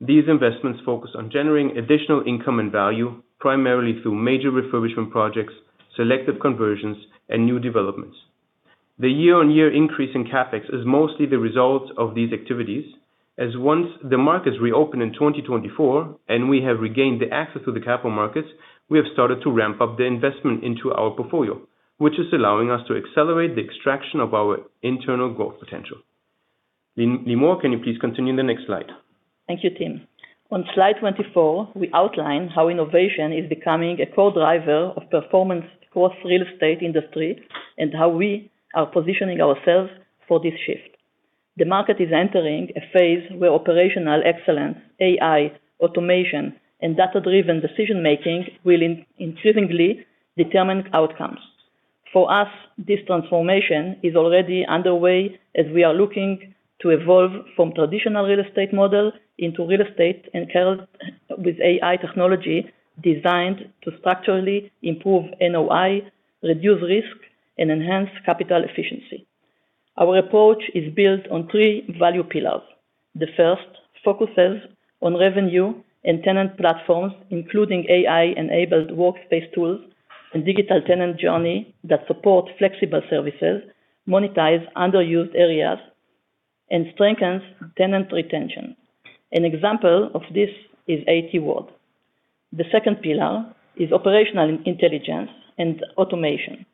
These investments focus on generating additional income and value, primarily through major refurbishment projects, selective conversions, and new developments. The year-on-year increase in CapEx is mostly the result of these activities, as once the markets reopen in 2024 and we have regained the access to the capital markets, we have started to ramp up the investment into our portfolio, which is allowing us to accelerate the extraction of our internal growth potential. Limor, can you please continue in the next slide? Thank you, Tim. On slide 24, we outline how innovation is becoming a co-driver of performance across real estate industry and how we are positioning ourselves for this shift. The market is entering a phase where operational excellence, AI, automation, and data-driven decision-making will increasingly determine outcomes. For us, this transformation is already underway as we are looking to evolve from traditional real estate model into real estate entailed with AI technology designed to structurally improve NOI, reduce risk, and enhance capital efficiency. Our approach is built on three value pillars. The first focuses on revenue and tenant platforms, including AI-enabled workspace tools and digital tenant journey that support flexible services, monetize underused areas, and strengthens tenant retention. An example of this is ATworld. The second pillar is operational intelligence and automation.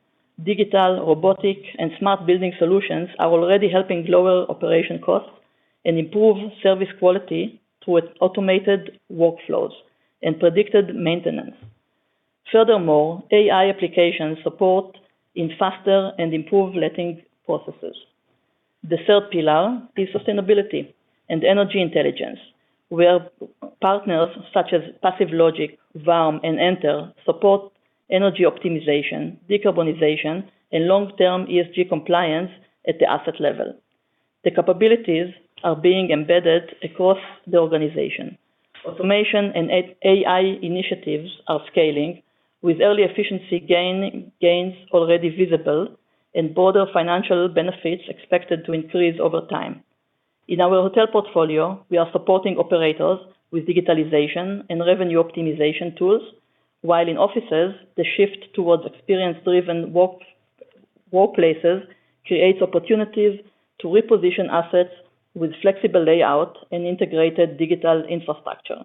Digital, robotic, and smart building solutions are already helping lower operation costs and improve service quality through its automated workflows and predicted maintenance. Furthermore, AI applications support in faster and improved letting processes. The third pillar is sustainability and energy intelligence, where partners such as PassiveLogic, Varm, and Enter support energy optimization, decarbonization, and long-term ESG compliance at the asset level. The capabilities are being embedded across the organization. Automation and AI initiatives are scaling with early efficiency gains already visible and broader financial benefits expected to increase over time. In our hotel portfolio, we are supporting operators with digitalization and revenue optimization tools, while in offices, the shift towards experience-driven workplaces creates opportunities to reposition assets with flexible layout and integrated digital infrastructure.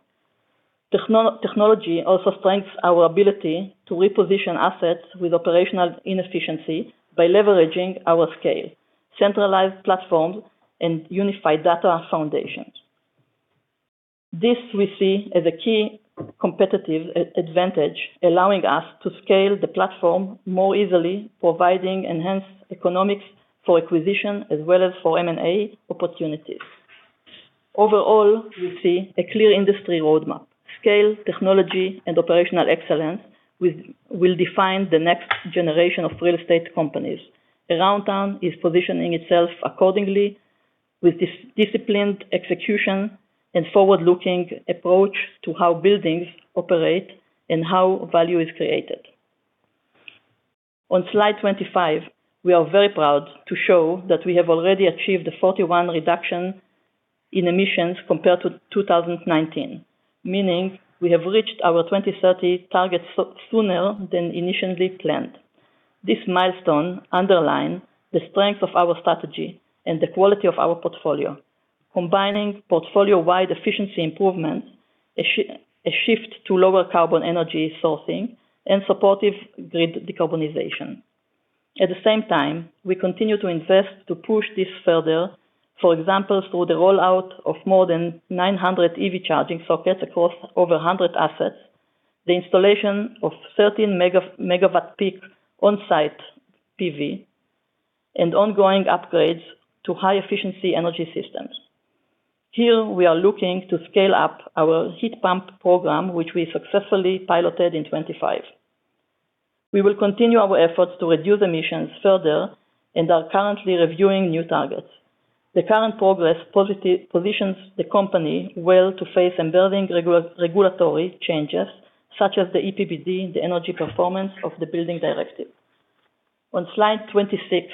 Technology also strengthens our ability to reposition assets with operational inefficiency by leveraging our scale, centralized platforms, and unified data foundations. This we see as a key competitive advantage, allowing us to scale the platform more easily, providing enhanced economics for acquisition as well as for M&A opportunities. Overall, we see a clear industry roadmap. Scale, technology, and operational excellence will define the next generation of real estate companies. Aroundtown is positioning itself accordingly with disciplined execution and forward-looking approach to how buildings operate and how value is created. On slide 25, we are very proud to show that we have already achieved a 41% reduction in emissions compared to 2019. Meaning, we have reached our 2030 targets sooner than initially planned. This milestone underline the strength of our strategy and the quality of our portfolio. Combining portfolio-wide efficiency improvements, a shift to lower carbon energy sourcing, and supportive grid decarbonization. At the same time, we continue to invest to push this further. For example, through the rollout of more than 900 EV charging sockets across over 100 assets, the installation of 13 MW peak on-site PV, and ongoing upgrades to high efficiency energy systems. Here, we are looking to scale up our heat pump program, which we successfully piloted in 2025. We will continue our efforts to reduce emissions further and are currently reviewing new targets. The current progress positions the company well to face embedding regulatory changes, such as the EPBD, the Energy Performance of Buildings Directive. On slide 26,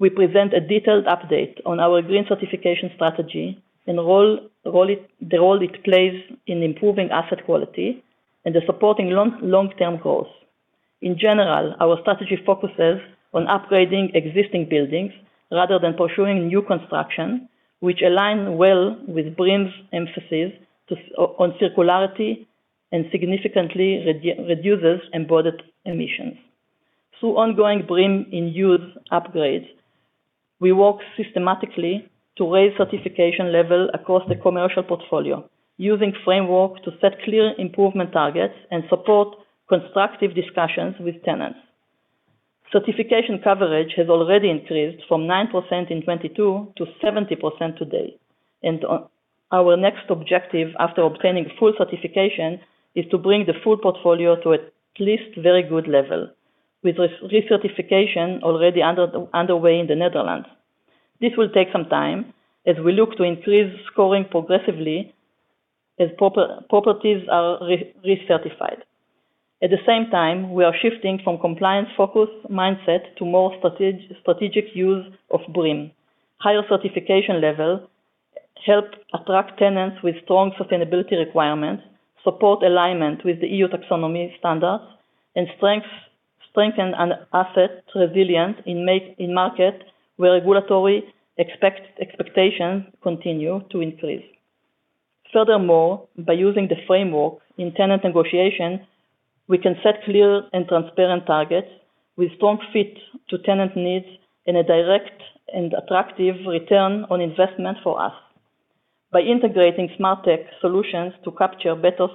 we present a detailed update on our green certification strategy and the role it plays in improving asset quality and the supporting long-term goals. In general, our strategy focuses on upgrading existing buildings rather than pursuing new construction, which align well with BREEAM's emphasis on circularity and significantly reduces embodied emissions. Through ongoing BREEAM in use upgrades, we work systematically to raise certification level across the commercial portfolio using framework to set clear improvement targets and support constructive discussions with tenants. Certification coverage has already increased from 9% in 22 to 70% today. Our next objective after obtaining full certification is to bring the full portfolio to at least very good level with recertification already underway in the Netherlands. This will take some time as we look to increase scoring progressively as properties are recertified. At the same time, we are shifting from compliance-focused mindset to more strategic use of BREEAM. Higher certification level help attract tenants with strong sustainability requirements, support alignment with the EU taxonomy standards, and strengthen an asset resilience in market where regulatory expectations continue to increase. Furthermore, by using the framework in tenant negotiation, we can set clear and transparent targets with strong fit to tenant needs in a direct and attractive return on investment for us. By integrating smart tech solutions to capture better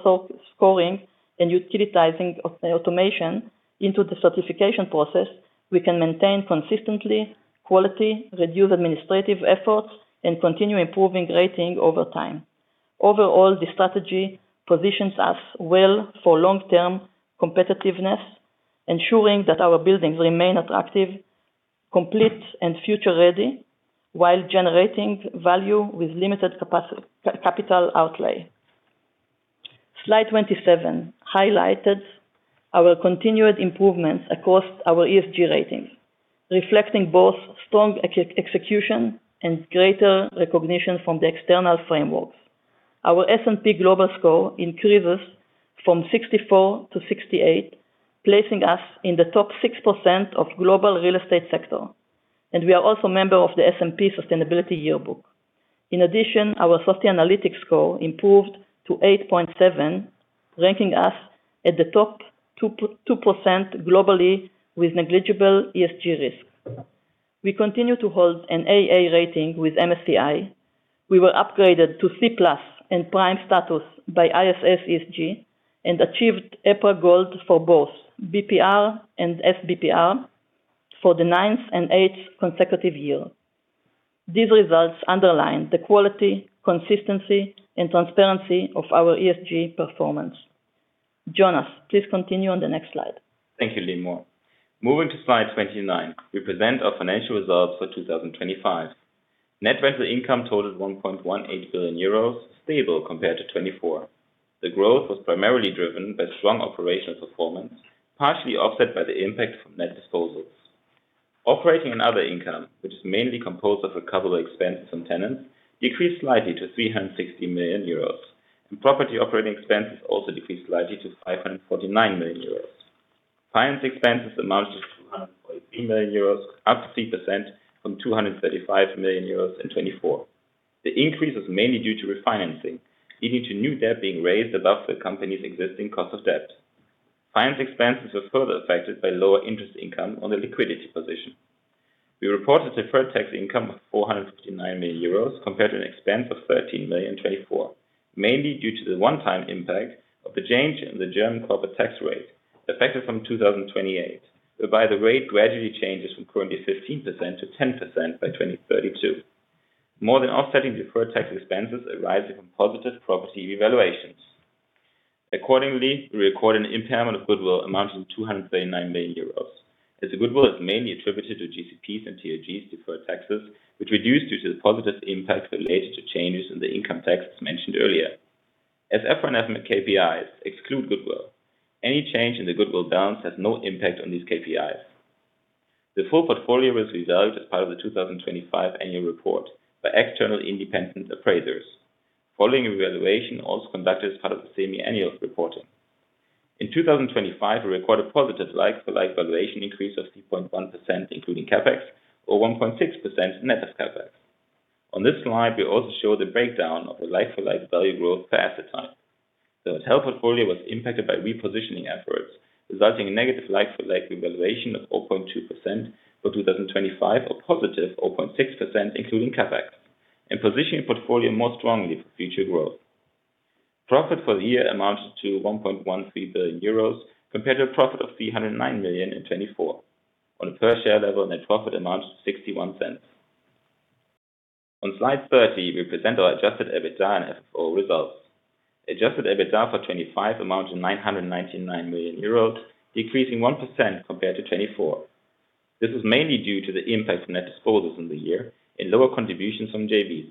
scoring and utilizing of the automation into the certification process, we can maintain consistently quality, reduce administrative efforts, and continue improving rating over time. Overall, the strategy positions us well for long-term competitiveness, ensuring that our buildings remain attractive, complete, and future-ready while generating value with limited capital outlay. Slide 27 highlighted our continued improvements across our ESG ratings, reflecting both strong execution and greater recognition from the external frameworks. Our S&P Global score increases from 64 to 68, placing us in the top 6% of global real estate sector. We are also a member of the S&P Sustainability Yearbook. In addition, our Sustainalytics score improved to 8.7, ranking us at the top 2.2% globally with negligible ESG risk. We continue to hold an AA rating with MSCI. We were upgraded to C+ and prime status by ISS ESG and achieved EPRA Gold for both BPR and SBPR for the nineth and eighth consecutive year. These results underline the quality, consistency, and transparency of our ESG performance. Jonas, please continue on the next slide. Thank you, Limor. Moving to slide 29, we present our financial results for 2025. Net rental income totaled 1.18 billion euros, stable compared to 2024. The growth was primarily driven by strong operational performance, partially offset by the impact from net disposals. Operating and other income, which is mainly composed of recoverable expenses from tenants, decreased slightly to 360 million euros. Property operating expenses also decreased slightly to 549 million euros. Finance expenses amounted to 243 million euros, up 3% from 235 million euros in 2024. The increase was mainly due to refinancing, leading to new debt being raised above the company's existing cost of debt. Finance expenses were further affected by lower interest income on the liquidity position. We reported deferred tax income of 459 million euros compared to an expense of 13 million in 2024. Mainly due to the one-time impact of the change in the German corporate tax rate, effective from 2028, whereby the rate gradually changes from currently 15% to 10% by 2032. More than offsetting deferred tax expenses arising from positive property revaluations. Accordingly, we record an impairment of goodwill amounting to 239 million euros, as the goodwill is mainly attributed to GCP's and TAG's deferred taxes, which reduced due to the positive impact related to changes in the income tax mentioned earlier. As FFO I and KPIs exclude goodwill, any change in the goodwill balance has no impact on these KPIs. The full portfolio was reserved as part of the 2025 annual report by external independent appraisers. Following evaluation, also conducted as part of the semi-annual reporting. In 2025, we recorded a positive like-for-like valuation increase of 3.1%, including CapEx, or 1.6% net of CapEx. On this slide, we also show the breakdown of the like-for-like value growth per asset type. The hotel portfolio was impacted by repositioning efforts, resulting in negative like-for-like revaluation of 0.2% for 2025 or positive 0.6% including CapEx, and positioning the portfolio more strongly for future growth. Profit for the year amounted to 1.13 billion euros compared to a profit of 309 million in 2024. On a per share level, net profit amounts to 0.61. On slide 30, we present our Adjusted EBITDA and FFO results. Adjusted EBITDA for 2025 amounted to 999 million euros, decreasing 1% compared to 2024. This is mainly due to the impact of net disposals in the year and lower contributions from JVs.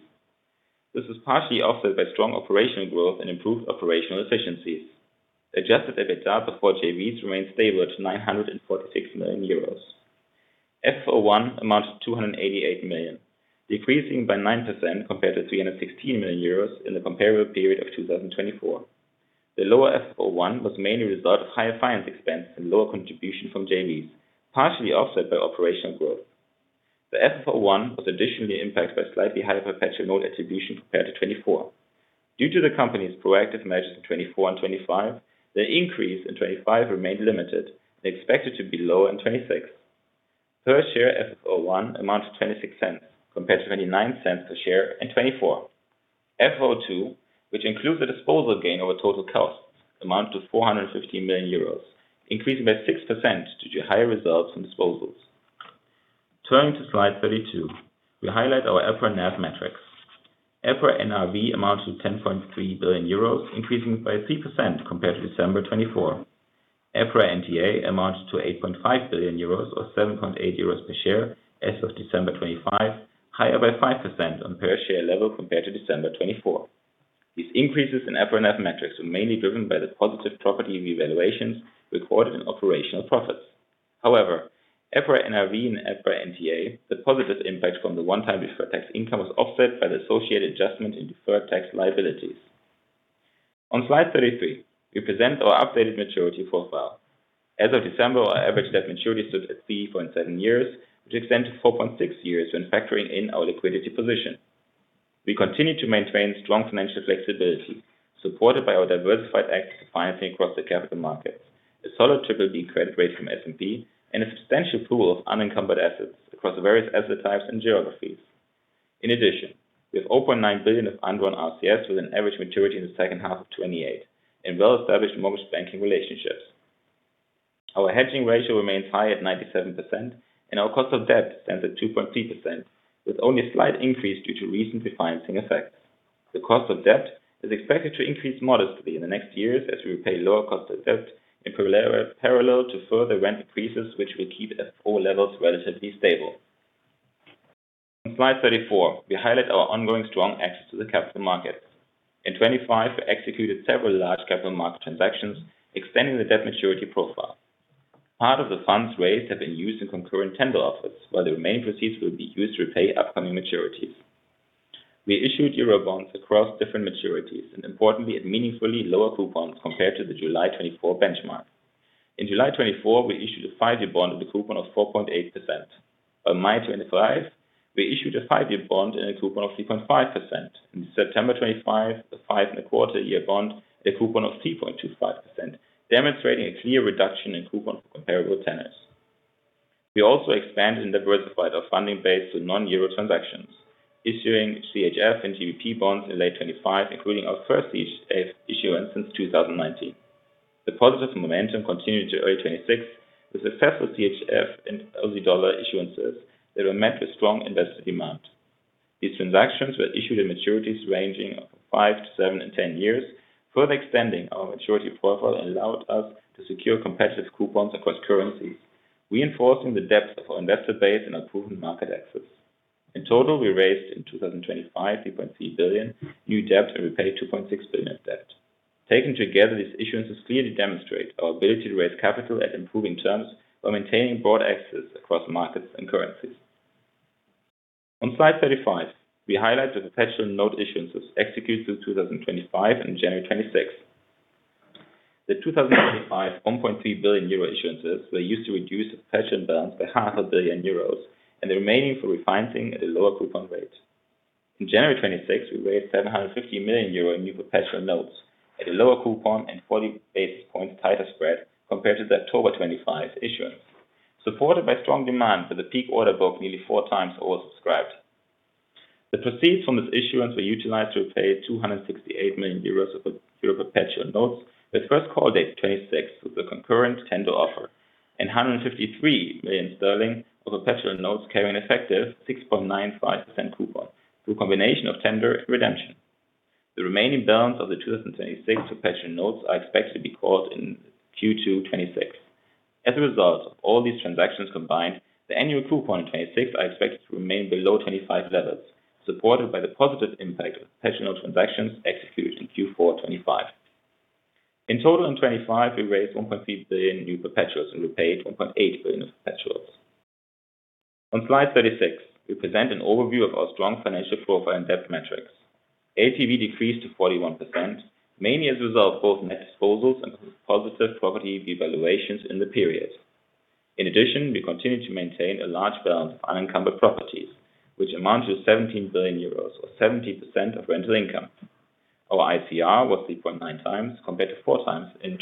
This is partially offset by strong operational growth and improved operational efficiencies. Adjusted EBITDA before JVs remained stable at 946 million euros. FFO I amounted to 288 million, decreasing by 9% compared to 316 million euros in the comparable period of 2024. The lower FFO I was mainly a result of higher finance expense and lower contribution from JVs, partially offset by operational growth. The FFO I was additionally impacted by slightly higher perpetual note attribution compared to 2024. Due to the company's proactive measures in 2024 and 2025, the increase in 2025 remained limited and expected to be lower in 2026. Per share FFO I amounted to 0.26 compared to 0.29 per share in 2024. FFO II, which includes the disposal gain over total costs, amounted to 415 million euros, increasing by 6% due to higher results from disposals. Turning to slide 32, we highlight our EPRA NAV metrics. EPRA NRV amounted to 10.3 billion euros, increasing by 3% compared to December 2024. EPRA NTA amounted to 8.5 billion euros or 7.8 euros per share as of December 2025, higher by 5% on per share level compared to December 2024. These increases in EPRA NAV metrics were mainly driven by the positive property revaluations recorded in operational profits. EPRA NRV and EPRA NTA, the positive impact from the one-time deferred tax income was offset by the associated adjustment in deferred tax liabilities. On slide 33, we present our updated maturity profile. As of December, our average debt maturity stood at 3.7 years, which extended to 4.6 years when factoring in our liquidity position. We continue to maintain strong financial flexibility, supported by our diversified access to financing across the capital markets, a solid BBB credit rate from S&P, and a substantial pool of unencumbered assets across various asset types and geographies. In addition, we have 0.9 billion of undrawn RCF with an average maturity in the second half of 2028 and well-established mortgage banking relationships. Our hedging ratio remains high at 97%, and our cost of debt stands at 2.3%, with only a slight increase due to recent refinancing effects. The cost of debt is expected to increase modestly in the next years as we repay lower cost of debt in parallel to further rent increases, which will keep FFO levels relatively stable. On slide 34, we highlight our ongoing strong access to the capital markets. In 2025, we executed several large capital market transactions extending the debt maturity profile. Part of the funds raised have been used in concurrent tender offers, while the remaining proceeds will be used to repay upcoming maturities. We issued EUR bonds across different maturities, and importantly, at meaningfully lower coupons compared to the July 2024 benchmark. In July 2024, we issued a five-year bond with a coupon of 4.8%. By May 2025, we issued a five-year bond and a coupon of 3.5%. In September 2025, a five and a quarter year bond at a coupon of 3.25%, demonstrating a clear reduction in coupon comparable tenets. We also expanded and diversified our funding base to non-EUR transactions, issuing CHF and GBP bonds in late 2025, including our first issuance since 2019. The positive momentum continued to early 2026 with successful CHF and Aussie dollar issuances that were met with strong investor demand. These transactions were issued in maturities ranging from five to seven and 10 years, further extending our maturity profile and allowed us to secure competitive coupons across currencies, reinforcing the depth of our investor base and our proven market access. In total, we raised in 2025, 3.3 billion new debt and repaid 2.6 billion of debt. Taken together, these issuances clearly demonstrate our ability to raise capital at improving terms while maintaining broad access across markets and currencies. On slide 35, we highlight the perpetual note issuances executed in 2025 and January 2026. The 2025, 1.3 billion euro issuances were used to reduce the perpetual balance by 500,000 euros, and the remaining for refinancing at a lower coupon rate. In January 2026, we raised 750 million euro in new perpetual notes at a lower coupon and 40 basis points tighter spread compared to the October 2025 issuance. Supported by strong demand for the peak order book nearly 4x oversubscribed. The proceeds from this issuance were utilized to pay 268 million euros of the euro perpetual notes, with first call date 2026 with the concurrent tender offer. 153 million sterling of perpetual notes carrying effective 6.95% coupon through a combination of tender and redemption. The remaining balance of the 2026 perpetual notes are expected to be called in Q2 2026. As a result of all these transactions combined, the annual coupon in 2026 are expected to remain below 2025 levels, supported by the positive impact of perpetual transactions executed in Q4 2025. In total, in 2025 we raised 1.3 billion new perpetuals and repaid 1.8 billion of perpetuals. On slide 36, we present an overview of our strong financial profile and debt metrics. LTV decreased to 41%, mainly as a result of both net disposals and positive property revaluations in the period. In addition, we continue to maintain a large balance of unencumbered properties, which amount to 17 billion euros or 70% of rental income. Our ICR was 3.9x compared to 4x in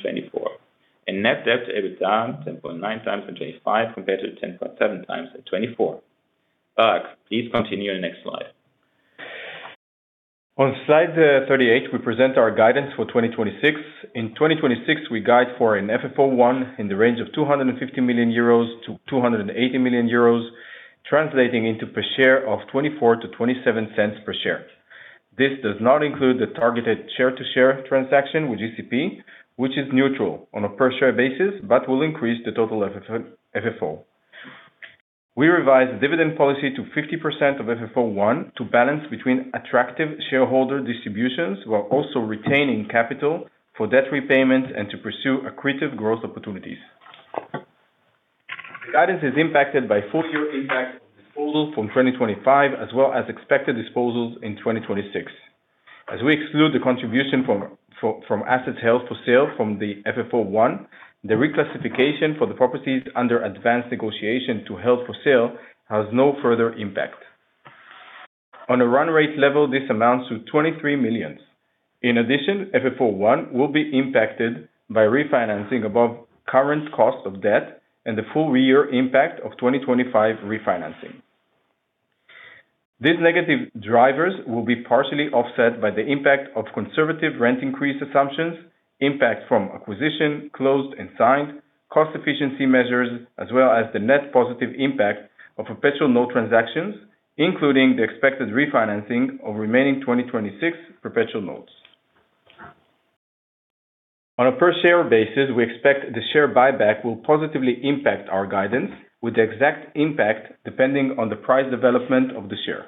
2024. Net debt to EBITDA 10.9x in 2025 compared to 10.7x in 2024. Barak, please continue the next slide. On slide 38, we present our guidance for 2026. In 2026, we guide for an FFO I in the range of 250 million-280 million euros, translating into per share of 0.24-0.27 per share. This does not include the targeted share-to-share transaction with GCP, which is neutral on a per-share basis, but will increase the total FFO. We revised the dividend policy to 50% of FFO I to balance between attractive shareholder distributions while also retaining capital for debt repayments and to pursue accretive growth opportunities. The guidance is impacted by full-year impact of disposals from 2025 as well as expected disposals in 2026. As we exclude the contribution from assets held for sale from the FFO I, the reclassification for the properties under advanced negotiation to held for sale has no further impact. On a run rate level, this amounts to 23 million. In addition, FFO I will be impacted by refinancing above current cost of debt and the full-year impact of 2025 refinancing. These negative drivers will be partially offset by the impact of conservative rent increase assumptions, impact from acquisition closed and signed, cost efficiency measures, as well as the net positive impact of perpetual note transactions, including the expected refinancing of remaining 2026 perpetual notes. On a per-share basis, we expect the share buyback will positively impact our guidance with the exact impact depending on the price development of the share.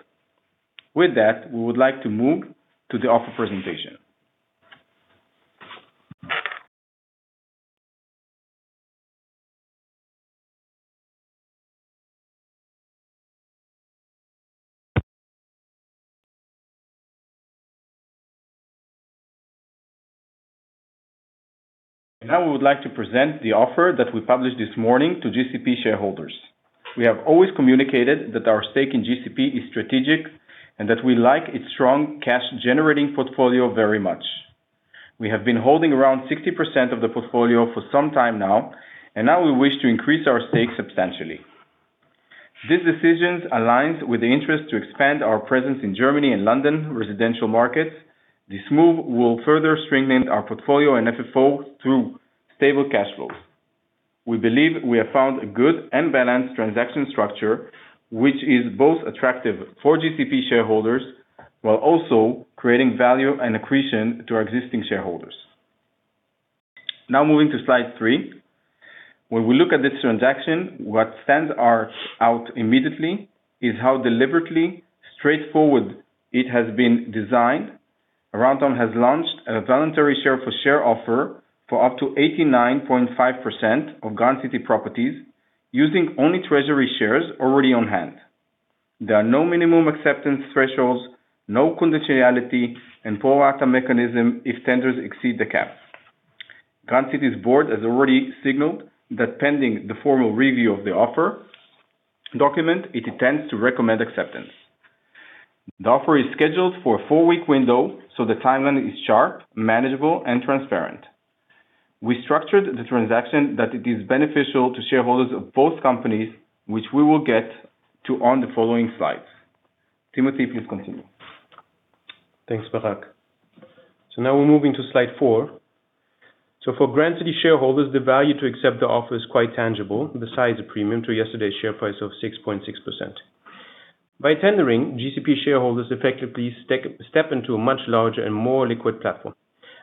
With that, we would like to move to the offer presentation. We would like to present the offer that we published this morning to GCP shareholders. We have always communicated that our stake in GCP is strategic and that we like its strong cash generating portfolio very much. We have been holding around 60% of the portfolio for some time now we wish to increase our stake substantially. This decision aligns with the interest to expand our presence in Germany and London residential markets. This move will further strengthen our portfolio and FFO through stable cash flows. We believe we have found a good and balanced transaction structure, which is both attractive for GCP shareholders while also creating value and accretion to our existing shareholders. Moving to slide 3. When we look at this transaction, what stands out immediately is how deliberately straightforward it has been designed. Aroundtown has launched a voluntary share for share offer for up to 89.5% of Grand City Properties using only treasury shares already on hand. There are no minimum acceptance thresholds, no conditionality and pro rata mechanism if tenders exceed the caps. Grand City's Board has already signaled that pending the formal review of the offer document, it intends to recommend acceptance. The offer is scheduled for a four-week window, so the timeline is sharp, manageable, and transparent. We structured the transaction that it is beneficial to shareholders of both companies, which we will get to on the following slides. Timothy, please continue. Thanks, Barak. Now we're moving to slide 4. For Grand City shareholders, the value to accept the offer is quite tangible, besides a premium to yesterday's share price of 6.6%. By tendering, GCP shareholders effectively step into a much larger and more liquid platform.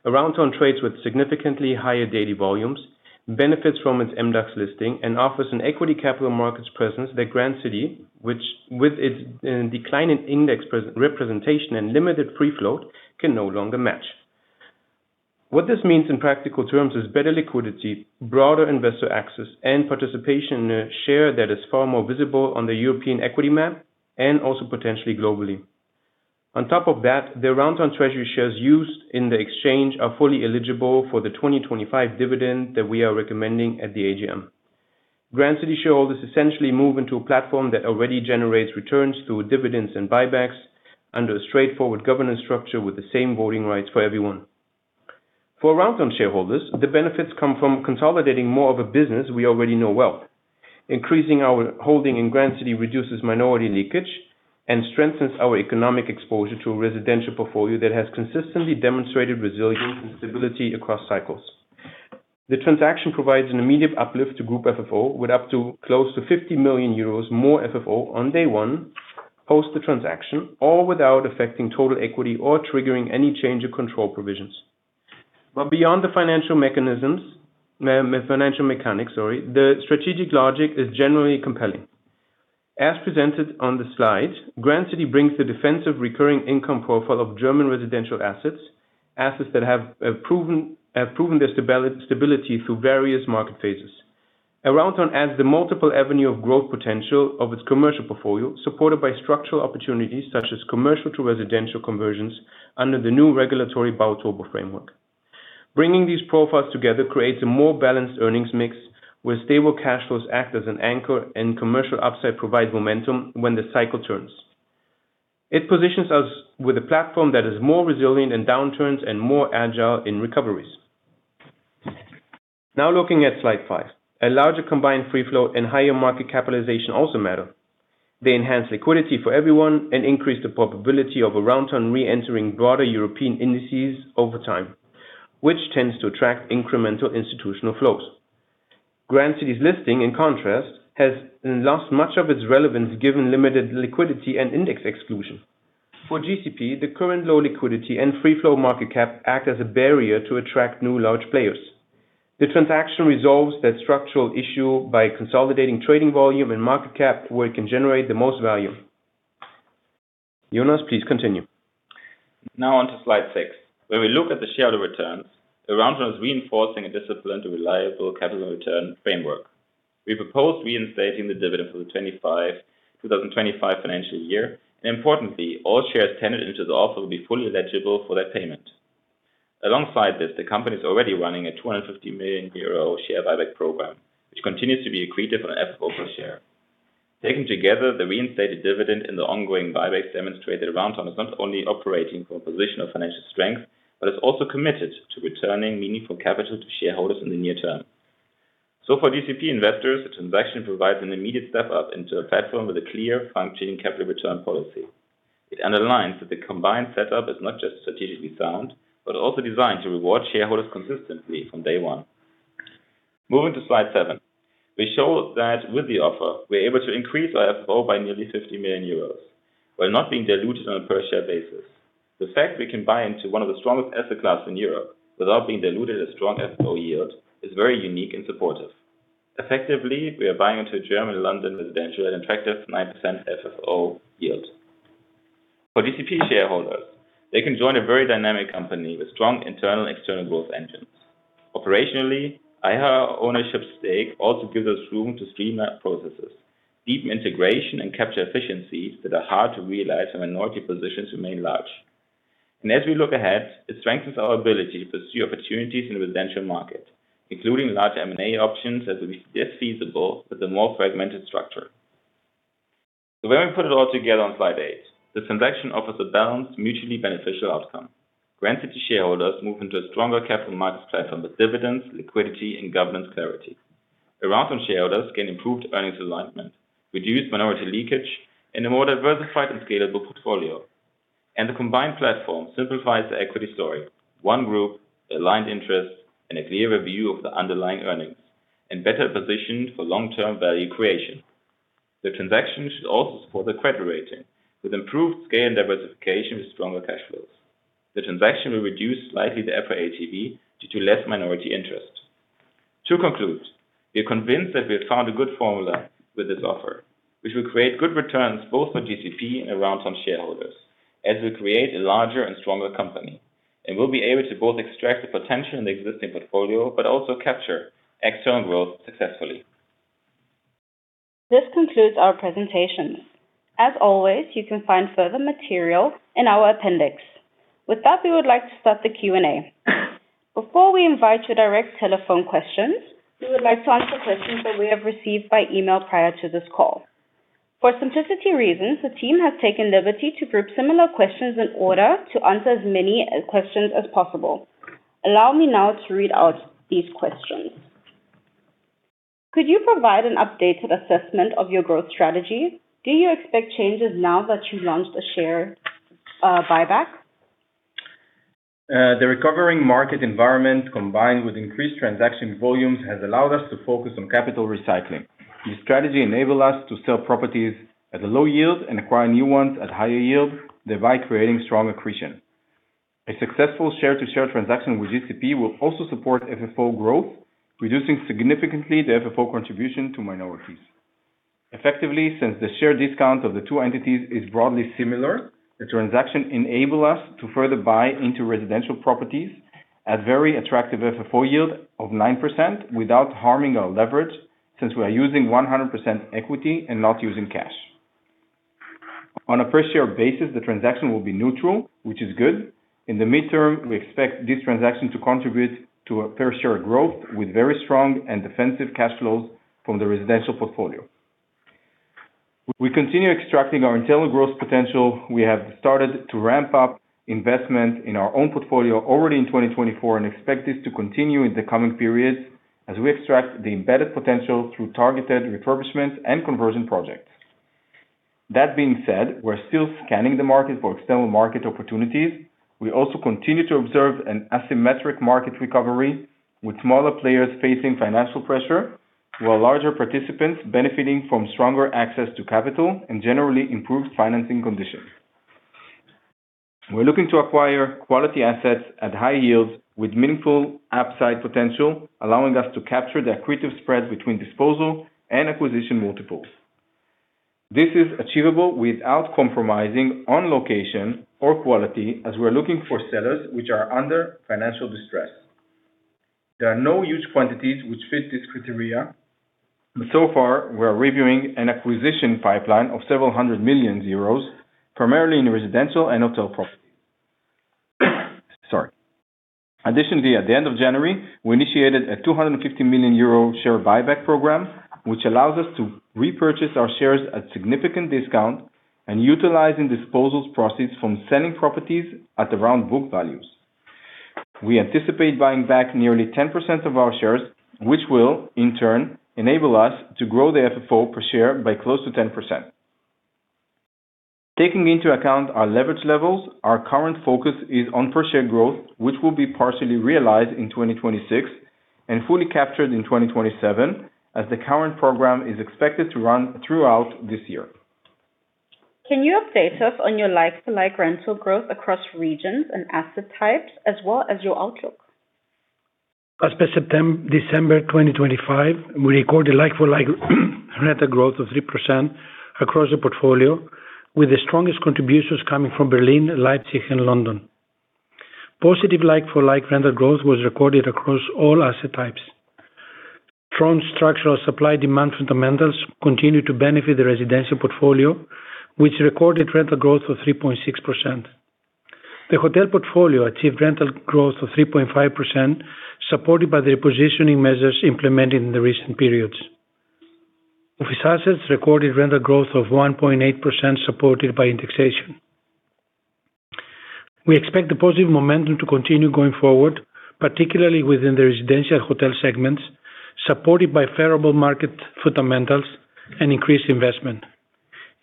Aroundtown trades with significantly higher daily volumes, benefits from its MDAX listing, and offers an equity capital markets presence that Grand City, which with its decline in index representation and limited free float, can no longer match. What this means in practical terms is better liquidity, broader investor access, and participation in a share that is far more visible on the European equity map and also potentially globally. On top of that, the Aroundtown treasury shares used in the exchange are fully eligible for the 2025 dividend that we are recommending at the AGM. Grand City shareholders essentially move into a platform that already generates returns through dividends and buybacks under a straightforward governance structure with the same voting rights for everyone. For Aroundtown shareholders, the benefits come from consolidating more of a business we already know well. Increasing our holding in Grand City reduces minority leakage and strengthens our economic exposure to a residential portfolio that has consistently demonstrated resilience and stability across cycles. The transaction provides an immediate uplift to group FFO, with up to close to 50 million euros more FFO on day one post the transaction, all without affecting total equity or triggering any change of control provisions. Beyond the financial mechanics, sorry, the strategic logic is generally compelling. As presented on the slide, Grand City brings the defensive recurring income profile of German residential assets that have proven their stability through various market phases. Aroundtown adds the multiple avenue of growth potential of its commercial portfolio, supported by structural opportunities such as commercial to residential conversions under the new regulatory Bau-Turbo framework. Bringing these profiles together creates a more balanced earnings mix, where stable cash flows act as an anchor and commercial upside provides momentum when the cycle turns. It positions us with a platform that is more resilient in downturns and more agile in recoveries. Looking at slide 5. A larger combined free flow and higher market capitalization also matter. They enhance liquidity for everyone and increase the probability of Aroundtown re-entering broader European indices over time, which tends to attract incremental institutional flows. Grand City's listing, in contrast, has lost much of its relevance given limited liquidity and index exclusion. For GCP, the current low liquidity and free flow market cap act as a barrier to attract new large players. The transaction resolves that structural issue by consolidating trading volume and market cap where it can generate the most value. Jonas, please continue. On to slide 6. When we look at the shareholder returns, Aroundtown is reinforcing a disciplined and reliable capital return framework. We proposed reinstating the dividend for the 2025 financial year, and importantly, all shares ten and inches off will be fully eligible for that payment. Alongside this, the company is already running a 250 million euro share buyback program, which continues to be accretive on FFO per share. Taken together, the reinstated dividend and the ongoing buyback demonstrate that Aroundtown is not only operating from a position of financial strength, but is also committed to returning meaningful capital to shareholders in the near term. For GCP investors, the transaction provides an immediate step up into a platform with a clear functioning capital return policy. It underlines that the combined setup is not just strategically sound, but also designed to reward shareholders consistently from day one. Moving to slide 7. We show that with the offer, we're able to increase our FFO by nearly 50 million euros while not being diluted on a per share basis. The fact we can buy into one of the strongest asset class in Europe without being diluted a strong FFO yield is very unique and supportive. Effectively, we are buying into a German London residential at an attractive 9% FFO yield. For GCP shareholders, they can join a very dynamic company with strong internal and external growth engines. Operationally, higher ownership stake also gives us room to streamline processes, deepen integration and capture efficiencies that are hard to realize when minority positions remain large. As we look ahead, it strengthens our ability to pursue opportunities in the residential market, including larger M&A options as it is feasible with a more fragmented structure. When we put it all together on slide 8, this transaction offers a balanced, mutually beneficial outcome. Grand City shareholders move into a stronger capital markets platform with dividends, liquidity and governance clarity. Aroundtown shareholders gain improved earnings alignment, reduced minority leakage, and a more diversified and scalable portfolio. The combined platform simplifies the equity story. One group, aligned interests, and a clearer view of the underlying earnings, and better positioned for long-term value creation. The transaction should also support the credit rating with improved scale and diversification with stronger cash flows. The transaction will reduce slightly the FFO accretive due to less minority interest. To conclude, we are convinced that we have found a good formula with this offer, which will create good returns both for GCP and Aroundtown shareholders, as we create a larger and stronger company. We'll be able to both extract the potential in the existing portfolio, but also capture external growth successfully. This concludes our presentation. As always, you can find further material in our appendix. With that, we would like to start the Q&A. Before we invite your direct telephone questions, we would like to answer questions that we have received by email prior to this call. For simplicity reasons, the team has taken liberty to group similar questions in order to answer as many questions as possible. Allow me now to read out these questions. Could you provide an updated assessment of your growth strategy? Do you expect changes now that you launched a share buyback? The recovering market environment combined with increased transaction volumes has allowed us to focus on capital recycling. This strategy enable us to sell properties at a low yield and acquire new ones at higher yield, thereby creating strong accretion. A successful share to share transaction with GCP will also support FFO growth, reducing significantly the FFO contribution to minorities. Effectively, since the share discount of the two entities is broadly similar, the transaction enable us to further buy into residential properties at very attractive FFO yield of 9% without harming our leverage, since we are using 100% equity and not using cash. On a per share basis, the transaction will be neutral, which is good. In the mid-term, we expect this transaction to contribute to a per share growth with very strong and defensive cash flows from the residential portfolio. We continue extracting our internal growth potential. We have started to ramp up investment in our own portfolio already in 2024, and expect this to continue in the coming periods as we extract the embedded potential through targeted refurbishments and conversion projects. That being said, we're still scanning the market for external market opportunities. We also continue to observe an asymmetric market recovery, with smaller players facing financial pressure, while larger participants benefiting from stronger access to capital and generally improved financing conditions. We're looking to acquire quality assets at high yields with meaningful upside potential, allowing us to capture the accretive spread between disposal and acquisition multiples. This is achievable without compromising on location or quality as we're looking for sellers which are under financial distress. There are no huge quantities which fit this criteria, but so far we are reviewing an acquisition pipeline of several hundred million euros, primarily in residential and hotel properties. At the end of January, we initiated a 250 million euro share buyback program, which allows us to repurchase our shares at significant discount and utilizing disposals proceeds from selling properties at around book values. We anticipate buying back nearly 10% of our shares, which will in turn enable us to grow the FFO per share by close to 10%. Taking into account our leverage levels, our current focus is on per share growth, which will be partially realized in 2026 and fully captured in 2027, as the current program is expected to run throughout this year. Can you update us on your like-for-like rental growth across regions and asset types as well as your outlook? As per December 2025, we recorded like for like rental growth of 3% across the portfolio, with the strongest contributions coming from Berlin, Leipzig and London. Positive like for like rental growth was recorded across all asset types. Strong structural supply-demand fundamentals continue to benefit the residential portfolio, which recorded rental growth of 3.6%. The hotel portfolio achieved rental growth of 3.5%, supported by the repositioning measures implemented in the recent periods. Office assets recorded rental growth of 1.8%, supported by indexation. We expect the positive momentum to continue going forward, particularly within the residential hotel segments, supported by favorable market fundamentals and increased investment.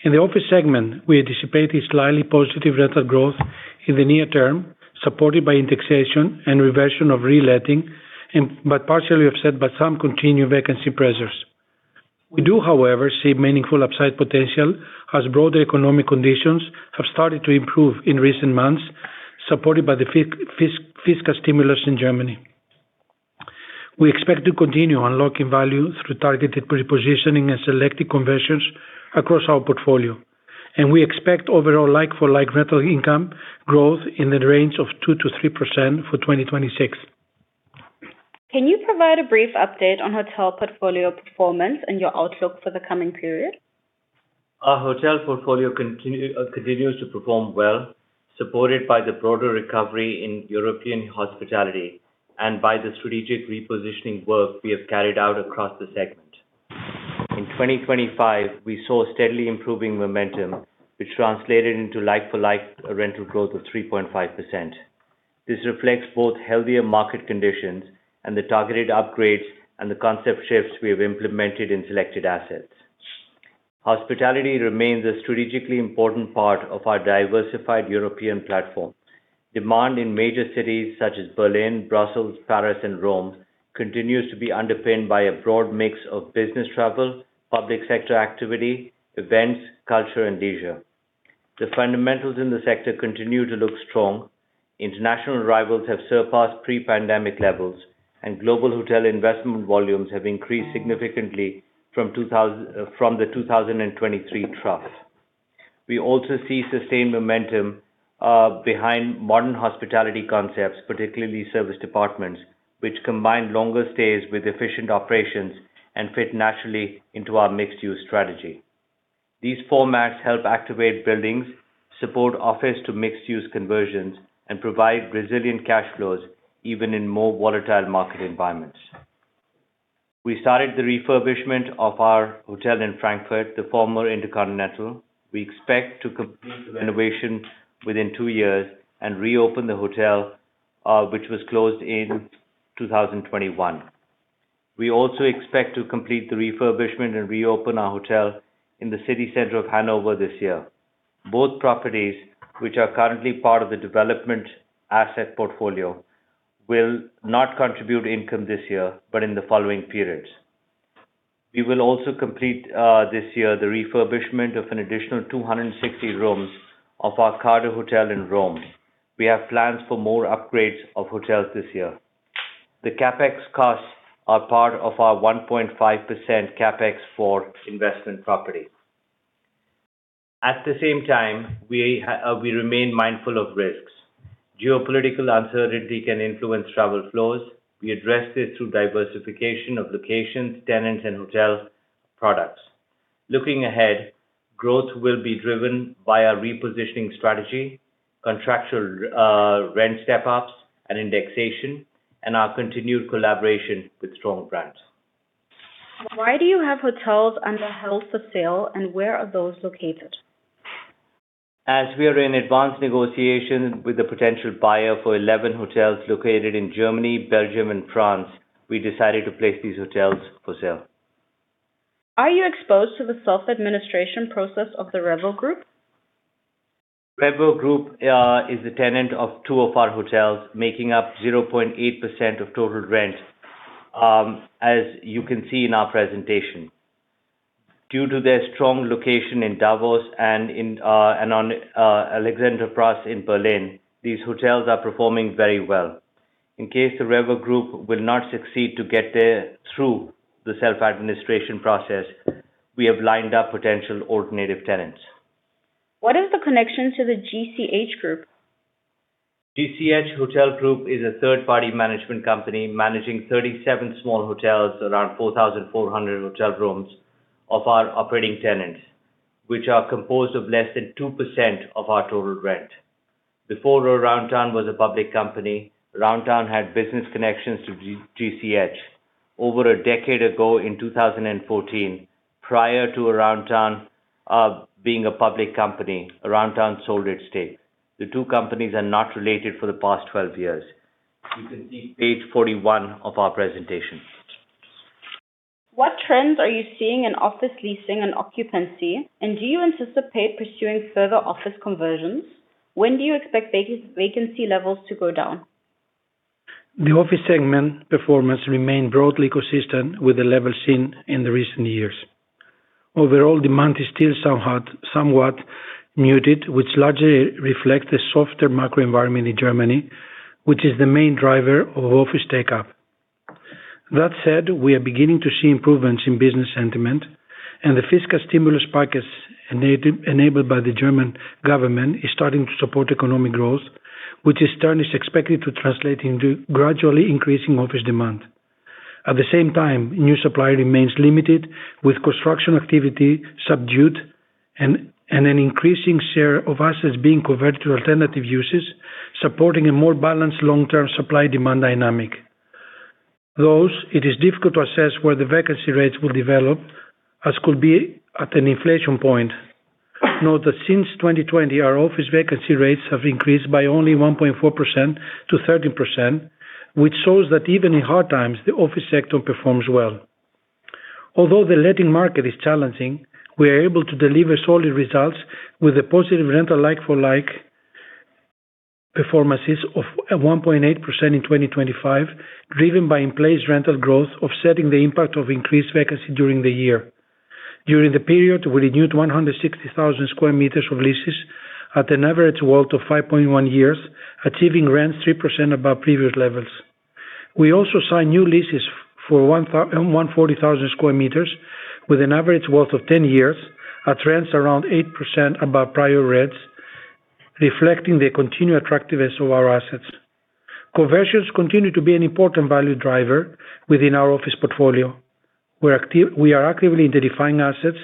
In the office segment, we anticipate a slightly positive rental growth in the near term, supported by indexation and reversion of reletting but partially offset by some continued vacancy pressures. We do, however, see meaningful upside potential as broader economic conditions have started to improve in recent months, supported by the fiscal stimulus in Germany. We expect to continue unlocking value through targeted repositioning and selected conversions across our portfolio, and we expect overall like for like rental income growth in the range of 2%-3% for 2026. Can you provide a brief update on hotel portfolio performance and your outlook for the coming period? Our hotel portfolio continues to perform well, supported by the broader recovery in European hospitality and by the strategic repositioning work we have carried out across the segment. In 2025, we saw steadily improving momentum, which translated into like for like rental growth of 3.5%. This reflects both healthier market conditions and the targeted upgrades and the concept shifts we have implemented in selected assets. Hospitality remains a strategically important part of our diversified European platform. Demand in major cities such as Berlin, Brussels, Paris and Rome continues to be underpinned by a broad mix of business travel, public sector activity, events, culture and leisure. The fundamentals in the sector continue to look strong. Global hotel investment volumes have increased significantly from the 2023 trough. We also see sustained momentum behind modern hospitality concepts, particularly service departments, which combine longer stays with efficient operations and fit naturally into our mixed-use strategy. These formats help activate buildings, support office to mixed-use conversions, and provide resilient cash flows even in more volatile market environments. We started the refurbishment of our hotel in Frankfurt, the former InterContinental. We expect to complete the renovation within two years and reopen the hotel, which was closed in 2021. We also expect to complete the refurbishment and reopen our hotel in the city center of Hanover this year. Both properties, which are currently part of the development asset portfolio, will not contribute income this year, but in the following periods. We will also complete this year the refurbishment of an additional 260 rooms of our Cardo Hotel in Rome. We have plans for more upgrades of hotels this year. The CapEx costs are part of our 1.5% CapEx for investment property. At the same time, we remain mindful of risks. Geopolitical uncertainty can influence travel flows. We address this through diversification of locations, tenants and hotel products. Looking ahead, growth will be driven by our repositioning strategy. Contractual rent step ups and indexation, and our continued collaboration with strong brands. Why do you have hotels under held for sale and where are those located? As we are in advanced negotiation with the potential buyer for 11 hotels located in Germany, Belgium and France, we decided to place these hotels for sale. Are you exposed to the self-administration process of the REWE Group? REWE Group is a tenant of two of our hotels, making up 0.8% of total rent, as you can see in our presentation. Due to their strong location in Davos and on Alexanderplatz in Berlin, these hotels are performing very well. In case the REWE Group will not succeed to get there through the self-administration process, we have lined up potential alternative tenants. What is the connection to the GCH Group? GCH Hotel Group is a third-party management company managing 37 small hotels, around 4,400 hotel rooms of our operating tenants, which are composed of less than 2% of our total rent. Before Aroundtown was a public company, Aroundtown had business connections to GCH. Over a decade ago in 2014, prior to Aroundtown being a public company, Aroundtown sold at stake. The two companies are not related for the past 12 years. You can see page 41 of our presentation. What trends are you seeing in office leasing and occupancy? Do you anticipate pursuing further office conversions? When do you expect vacancy levels to go down? The office segment performance remained broadly consistent with the levels seen in the recent years. Overall demand is still somewhat muted, which largely reflects the softer macro environment in Germany, which is the main driver of office take up. That said, we are beginning to see improvements in business sentiment and the fiscal stimulus package enabled by the German government is starting to support economic growth, which in turn is expected to translate into gradually increasing office demand. At the same time, new supply remains limited, with construction activity subdued and an increasing share of assets being converted to alternative uses, supporting a more balanced long-term supply demand dynamic. Though it is difficult to assess where the vacancy rates will develop, as could be at an inflation point. Note that since 2020, our office vacancy rates have increased by only 1.4% to 13%, which shows that even in hard times, the office sector performs well. Although the letting market is challenging, we are able to deliver solid results with a positive rental like for like performances of 1.8% in 2025, driven by in place rental growth, offsetting the impact of increased vacancy during the year. During the period, we renewed 160,000 sqm of leases at an average WALT of 5.1 years, achieving rents 3% above previous levels. We also signed new leases for 140,000 sqm with an average WALT of 10 years at rents around 8% above prior rates, reflecting the continued attractiveness of our assets. Conversions continue to be an important value driver within our office portfolio. We are actively identifying assets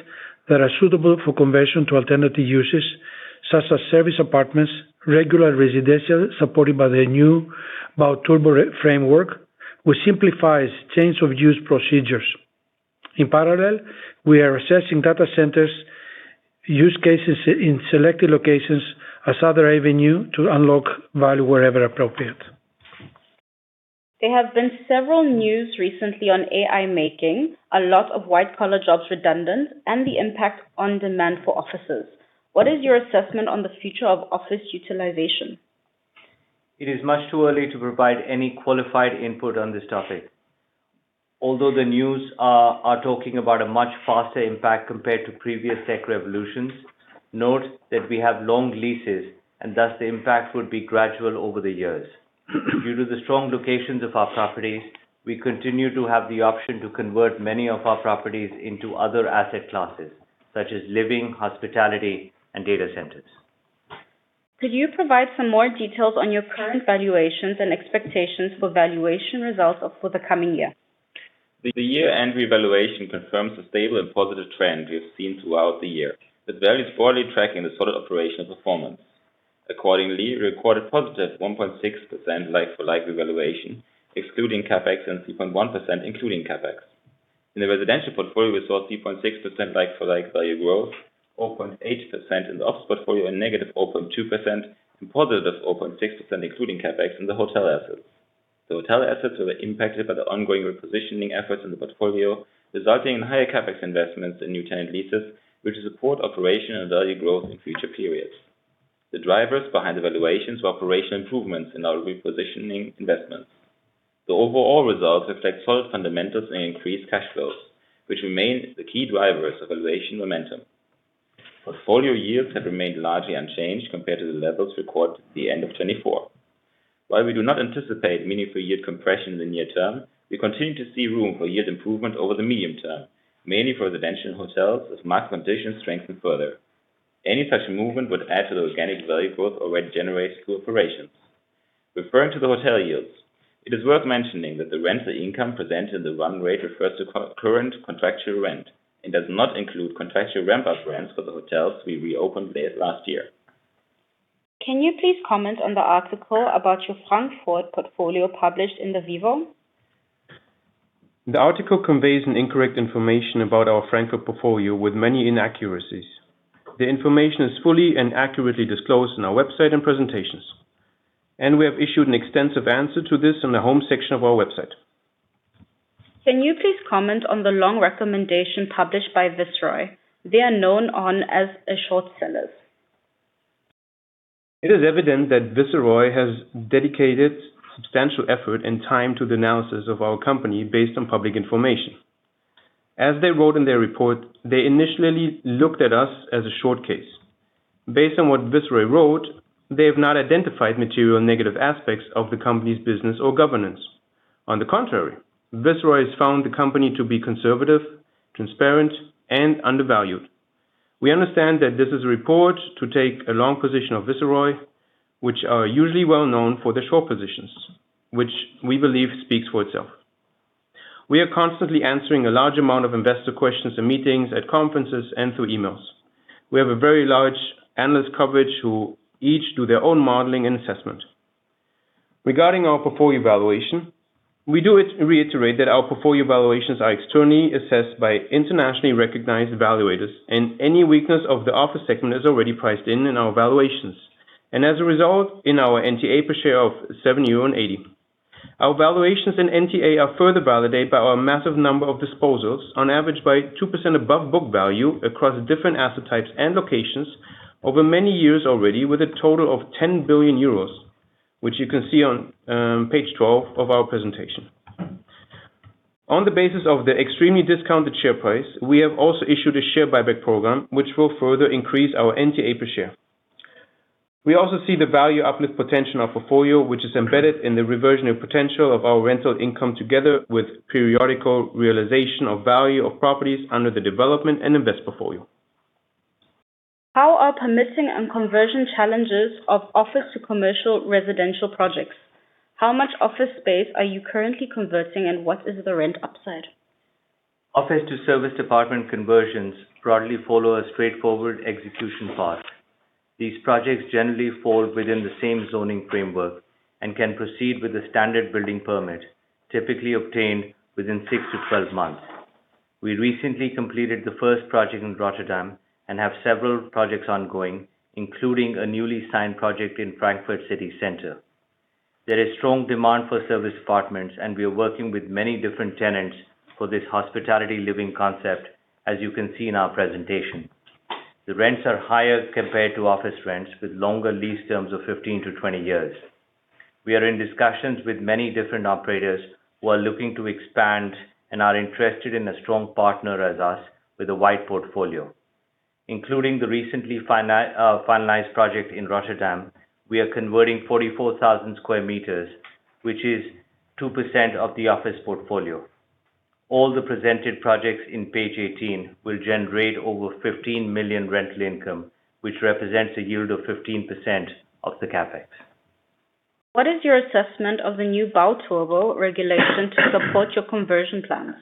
that are suitable for conversion to alternative uses such as service apartments, regular residential, supported by the new Bau-Turbo framework, which simplifies change of use procedures. In parallel, we are assessing data centers use cases in selected locations as other avenue to unlock value wherever appropriate. There have been several news recently on AI making a lot of white-collar jobs redundant and the impact on demand for offices. What is your assessment on the future of office utilization? It is much too early to provide any qualified input on this topic. Although the news are talking about a much faster impact compared to previous tech revolutions, note that we have long leases and thus the impact would be gradual over the years. Due to the strong locations of our properties, we continue to have the option to convert many of our properties into other asset classes, such as living, hospitality and data centers. Could you provide some more details on your current valuations and expectations for valuation results of for the coming year? The year-end revaluation confirms the stable and positive trend we have seen throughout the year. It very strongly tracking the solid operational performance. Accordingly, we recorded positive 1.6% like-for-like revaluation, excluding CapEx, and 3.1% including CapEx. In the residential portfolio, we saw 3.6% like-for-like value growth, 4.8% in the office portfolio, and -4.2% and +4.6% excluding CapEx in the hotel assets. The hotel assets were impacted by the ongoing repositioning efforts in the portfolio, resulting in higher CapEx investments in new tenant leases, which will support operation and value growth in future periods. The drivers behind the valuations were operational improvements in our repositioning investments. The overall results reflect solid fundamentals and increased cash flows, which remain the key drivers of valuation momentum. Portfolio yields have remained largely unchanged compared to the levels recorded at the end of 2024. While we do not anticipate meaningful yield compression in the near term, we continue to see room for yield improvement over the medium term, mainly for residential and hotels as market conditions strengthen further. Any such movement would add to the organic value growth already generated through operations. Referring to the hotel yields, it is worth mentioning that the rental income presented in the run rate refers to current contractual rent and does not include contractual ramp-up rents for the hotels we reopened late last year. Can you please comment on the article about your Frankfurt portfolio published in the WiWo? The article conveys an incorrect information about our Frankfurt portfolio with many inaccuracies. The information is fully and accurately disclosed on our website and presentations, and we have issued an extensive answer to this in the home section of our website. Can you please comment on the long recommendation published by Viceroy? They are known on as short sellers. It is evident that Viceroy has dedicated substantial effort and time to the analysis of our company based on public information. As they wrote in their report, they initially looked at us as a short case. Based on what Viceroy wrote, they have not identified material negative aspects of the company's business or governance. On the contrary, Viceroy has found the company to be conservative, transparent, and undervalued. We understand that this is a report to take a long position of Viceroy, which are usually well-known for their short positions, which we believe speaks for itself. We are constantly answering a large amount of investor questions in meetings, at conferences, and through emails. We have a very large analyst coverage who each do their own modeling and assessment. Regarding our portfolio valuation, we reiterate that our portfolio valuations are externally assessed by internationally recognized evaluators, any weakness of the office segment is already priced in our valuations. As a result, in our NTA per share of 7.80 euro. Our valuations in NTA are further validated by our massive number of disposals on average by 2% above book value across different asset types and locations over many years already with a total of 10 billion euros, which you can see on page 12 of our presentation. On the basis of the extremely discounted share price, we have also issued a share buyback program, which will further increase our NTA per share. We also see the value uplift potential of portfolio, which is embedded in the reversionary potential of our rental income together with periodical realization of value of properties under the development and invest portfolio. How are permitting and conversion challenges of office to commercial residential projects? How much office space are you currently converting and what is the rent upside? Office to service department conversions broadly follow a straightforward execution path. These projects generally fall within the same zoning framework and can proceed with a standard building permit, typically obtained within six to 12 months. We recently completed the first project in Rotterdam and have several projects ongoing, including a newly signed project in Frankfurt City Center. There is strong demand for service departments, and we are working with many different tenants for this hospitality living concept, as you can see in our presentation. The rents are higher compared to office rents with longer lease terms of 15-20 years. We are in discussions with many different operators who are looking to expand and are interested in a strong partner as us with a wide portfolio. Including the recently finalized project in Rotterdam, we are converting 44,000 sqm, which is 2% of the office portfolio. All the presented projects in page 18 will generate over 15 million rental income, which represents a yield of 15% of the CapEx. What is your assessment of the new Bau-Turbo regulation to support your conversion plans?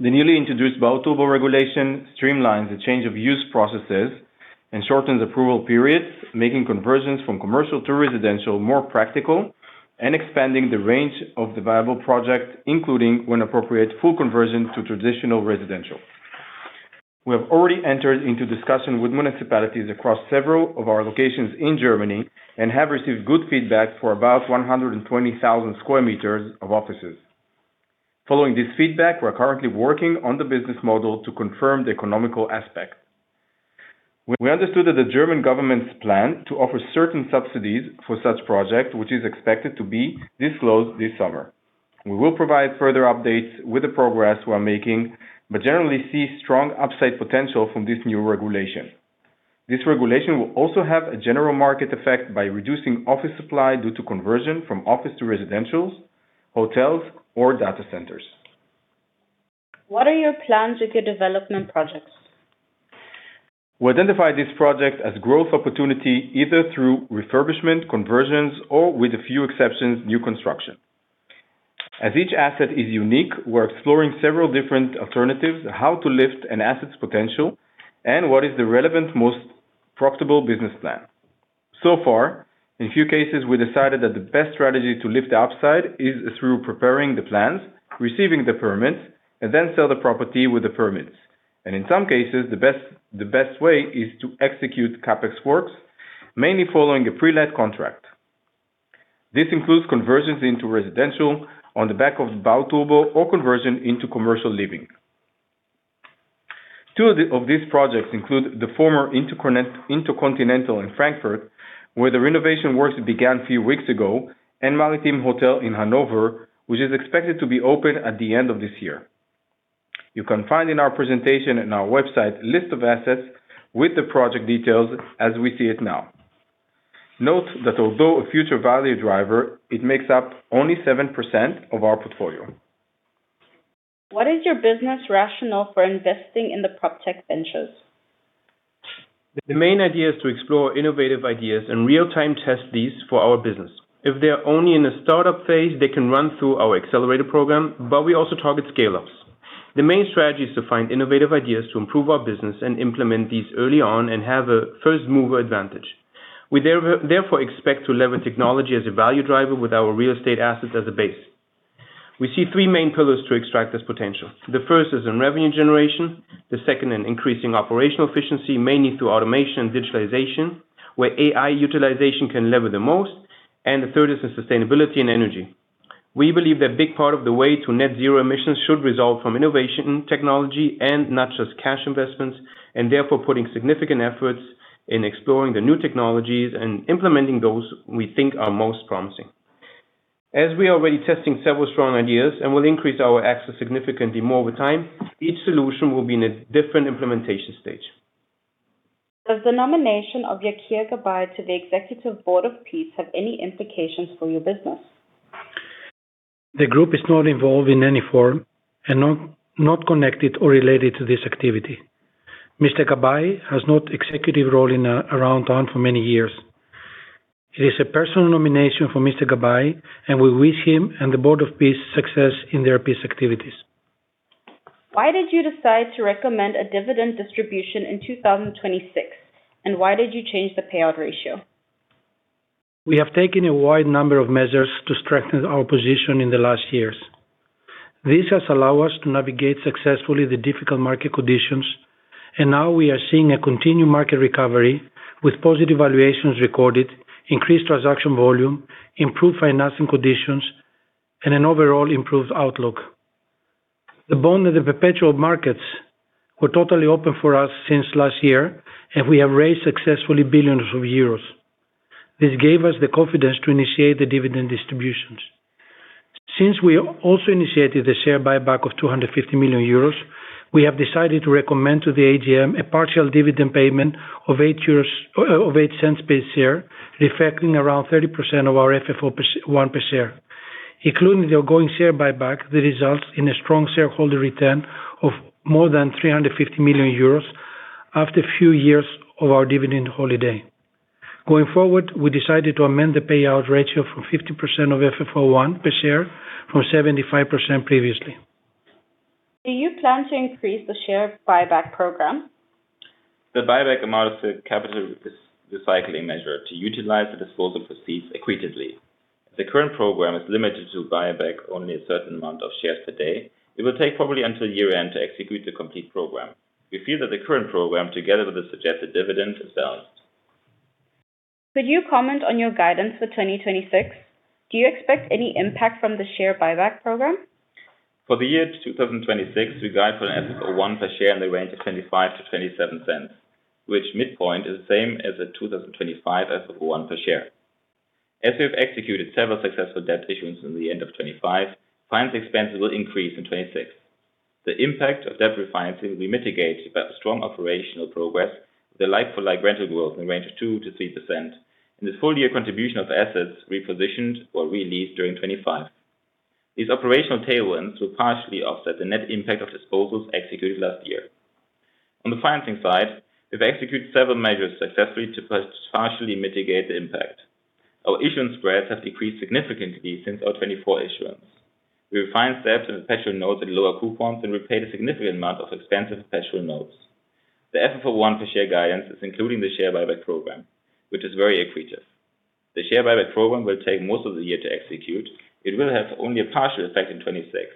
The newly introduced Bau-Turbo regulation streamlines the change of use processes and shortens approval periods, making conversions from commercial to residential more practical and expanding the range of the viable project, including when appropriate, full conversion to traditional residential. We have already entered into discussion with municipalities across several of our locations in Germany and have received good feedback for about 120,000 sqm of offices. Following this feedback, we're currently working on the business model to confirm the economical aspect. We understood that the German government's plan to offer certain subsidies for such project, which is expected to be disclosed this summer. We will provide further updates with the progress we're making, but generally see strong upside potential from this new regulation. This regulation will also have a general market effect by reducing office supply due to conversion from office to residentials, hotels, or data centers. What are your plans with your development projects? We identify this project as growth opportunity, either through refurbishment, conversions, or with a few exceptions, new construction. As each asset is unique, we're exploring several different alternatives, how to lift an asset's potential, and what is the relevant most profitable business plan. Far, in few cases, we decided that the best strategy to lift the upside is through preparing the plans, receiving the permits, and then sell the property with the permits. In some cases, the best way is to execute CapEx works, mainly following a pre-let contract. This includes conversions into residential on the back of Bau-Turbo or conversion into commercial living. Two of these projects include the former Intercontinental in Frankfurt, where the renovation works began a few weeks ago, and Maritim Hotel in Hanover, which is expected to be open at the end of this year. You can find in our presentation in our website list of assets with the project details as we see it now. Note that although a future value driver, it makes up only 7% of our portfolio. What is your business rationale for investing in the PropTech ventures? The main idea is to explore innovative ideas and real-time test these for our business. If they are only in a startup phase, they can run through our accelerator program, but we also target scale-ups. The main strategy is to find innovative ideas to improve our business and implement these early on and have a first mover advantage. We therefore expect to lever technology as a value driver with our real estate assets as a base. We see three main pillars to extract this potential. The first is in revenue generation, the second in increasing operational efficiency, mainly through automation and digitalization, where AI utilization can lever the most, and the third is in sustainability and energy. We believe that big part of the way to net zero emissions should result from innovation technology and not just cash investments, and therefore putting significant efforts in exploring the new technologies and implementing those we think are most promising. As we are already testing several strong ideas and will increase our access significantly more over time, each solution will be in a different implementation stage. Does the nomination of Yakir Gabay to the Executive Board of Peace have any implications for your business? The group is not involved in any form and not connected or related to this activity. Mr. Gabay has no executive role in Aroundtown for many years. It is a personal nomination for Mr. Gabay, and we wish him and the Board of Peace success in their peace activities. Why did you decide to recommend a dividend distribution in 2026? Why did you change the payout ratio? We have taken a wide number of measures to strengthen our position in the last years. This has allow us to navigate successfully the difficult market conditions. Now we are seeing a continued market recovery with positive valuations recorded, increased transaction volume, improved financing conditions, and an overall improved outlook. The bond of the perpetual markets were totally open for us since last year, and we have raised successfully billions of euros. This gave us the confidence to initiate the dividend distributions. We also initiated the share buyback of 250 million euros. We have decided to recommend to the AGM a partial dividend payment of 0.08 per share, reflecting around 30% of our FFO I per share. Including the ongoing share buyback, that results in a strong shareholder return of more than 350 million euros after a few years of our dividend holiday. Going forward, we decided to amend the payout ratio from 50% of FFO I per share from 75% previously. Do you plan to increase the share buyback program? The buyback amount is a capital recycling measure to utilize the disposal proceeds accretively. The current program is limited to buyback only a certain amount of shares per day. It will take probably until year-end to execute the complete program. We feel that the current program, together with the suggested dividend, is balanced. Could you comment on your guidance for 2026? Do you expect any impact from the share buyback program? For the year 2026, we guide for an FFO I per share in the range of 0.25-0.27, which midpoint is the same as the 2025 FFO I per share. As we have executed several successful debt issuance in the end of 2025, finance expenses will increase in 2026. The impact of debt refinancing will be mitigated by the strong operational progress, the like-for-like rental growth in range of 2%-3%, and the full-year contribution of assets repositioned or re-leased during 2025. These operational tailwinds will partially offset the net impact of disposals executed last year. On the financing side, we've executed several measures successfully to partially mitigate the impact. Our issuance spreads have decreased significantly since our 2024 issuance. We'll refinance that to the perpetual notes at lower coupons and repay the significant amount of expensive perpetual notes. The FFO I per share guidance is including the share buyback program, which is very accretive. The share buyback program will take most of the year to execute. It will have only a partial effect in 2026,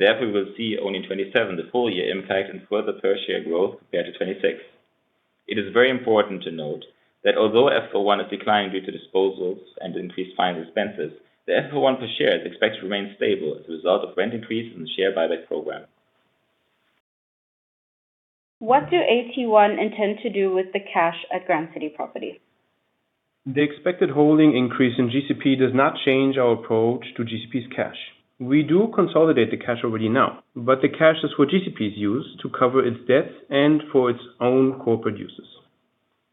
therefore, we will see only in 2027 the full-year impact and further per share growth compared to 2026. It is very important to note that although FFO I is declining due to disposals and increased finance expenses, the FFO I per share is expected to remain stable as a result of rent increase in the share buyback program. What do AT1 intend to do with the cash at Grand City Properties? The expected holding increase in GCP does not change our approach to GCP's cash. We do consolidate the cash already now, but the cash is for GCP's use to cover its debts and for its own corporate uses.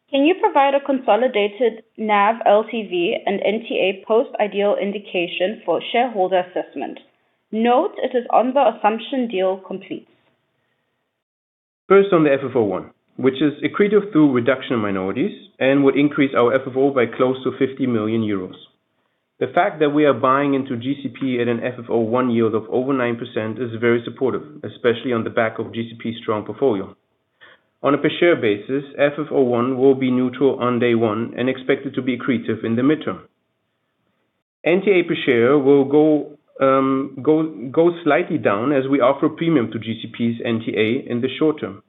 Can you provide a consolidated NAV, LTV, and NTA post-ideal indication for shareholder assessment? Note it is on the assumption deal completes. First on the FFO I, which is accretive through reduction in minorities and would increase our FFO by close to 50 million euros. The fact that we are buying into GCP at an FFO I yield of over 9% is very supportive, especially on the back of GCP's strong portfolio. On a per share basis, FFO I will be neutral on day one and expected to be accretive in the midterm. NTA per share will go slightly down as we offer a premium to GCP's NTA in the short term.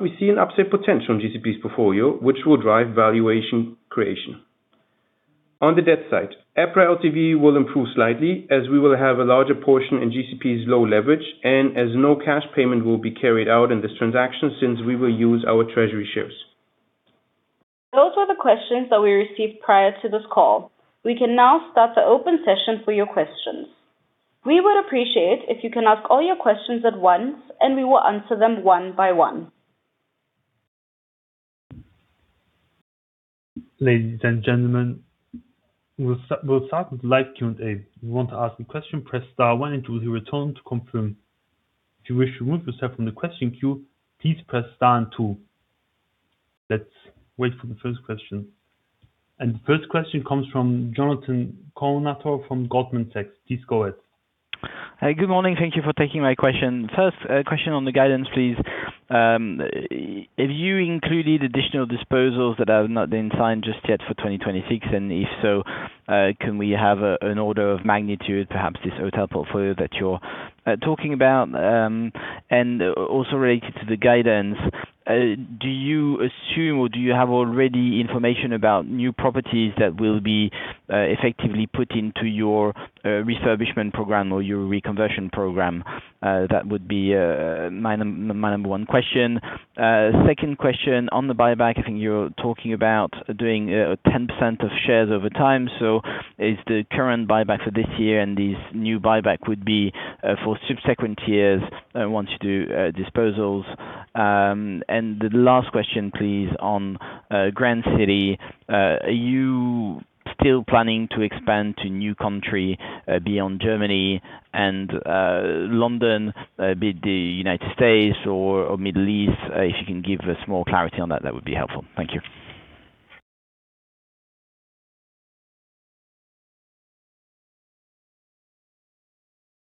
We see an upside potential in GCP's portfolio, which will drive valuation creation. On the debt side, EPRA LTV will improve slightly as we will have a larger portion in GCP's low leverage and as no cash payment will be carried out in this transaction since we will use our treasury shares. Those were the questions that we received prior to this call. We can now start the open session for your questions. We would appreciate if you can ask all your questions at once, and we will answer them one by one. Ladies and gentlemen, we'll start with the live Q&A. If you want to ask a question, press star one, and two, if you return to confirm. If you wish to remove yourself from the question queue, please press star and two. Let's wait for the first question. The first question comes from Jonathan Kownator from Goldman Sachs. Please go ahead. Hi. Good morning. Thank you for taking my question. First, a question on the guidance, please. Have you included additional disposals that have not been signed just yet for 2026? If so, can we have an order of magnitude, perhaps this hotel portfolio that you're talking about. Also related to the guidance, do you assume, or do you have already information about new properties that will be effectively put into your refurbishment program or your reconversion program? That would be my number one question. Second question on the buyback. I think you're talking about doing 10% of shares over time. Is the current buyback for this year and these new buyback would be for subsequent years, once you do disposals. The last question, please, on Grand City. Are you still planning to expand to new country beyond Germany and London, be it the United States or Middle East? If you can give us more clarity on that would be helpful. Thank you.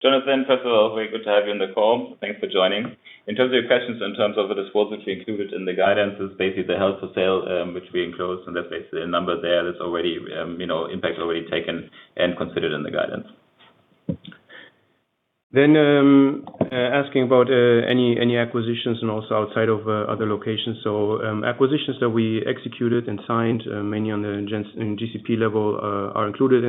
Jonathan, first of all, very good to have you on the call. Thanks for joining. In terms of your questions, in terms of the disposals that you included in the guidance, it's basically the held for sale, which we enclosed, and that's basically a number there that's already, you know, impact already taken and considered in the guidance. Asking about any acquisitions and also outside of other locations. Acquisitions that we executed and signed, many on the GCP level, are included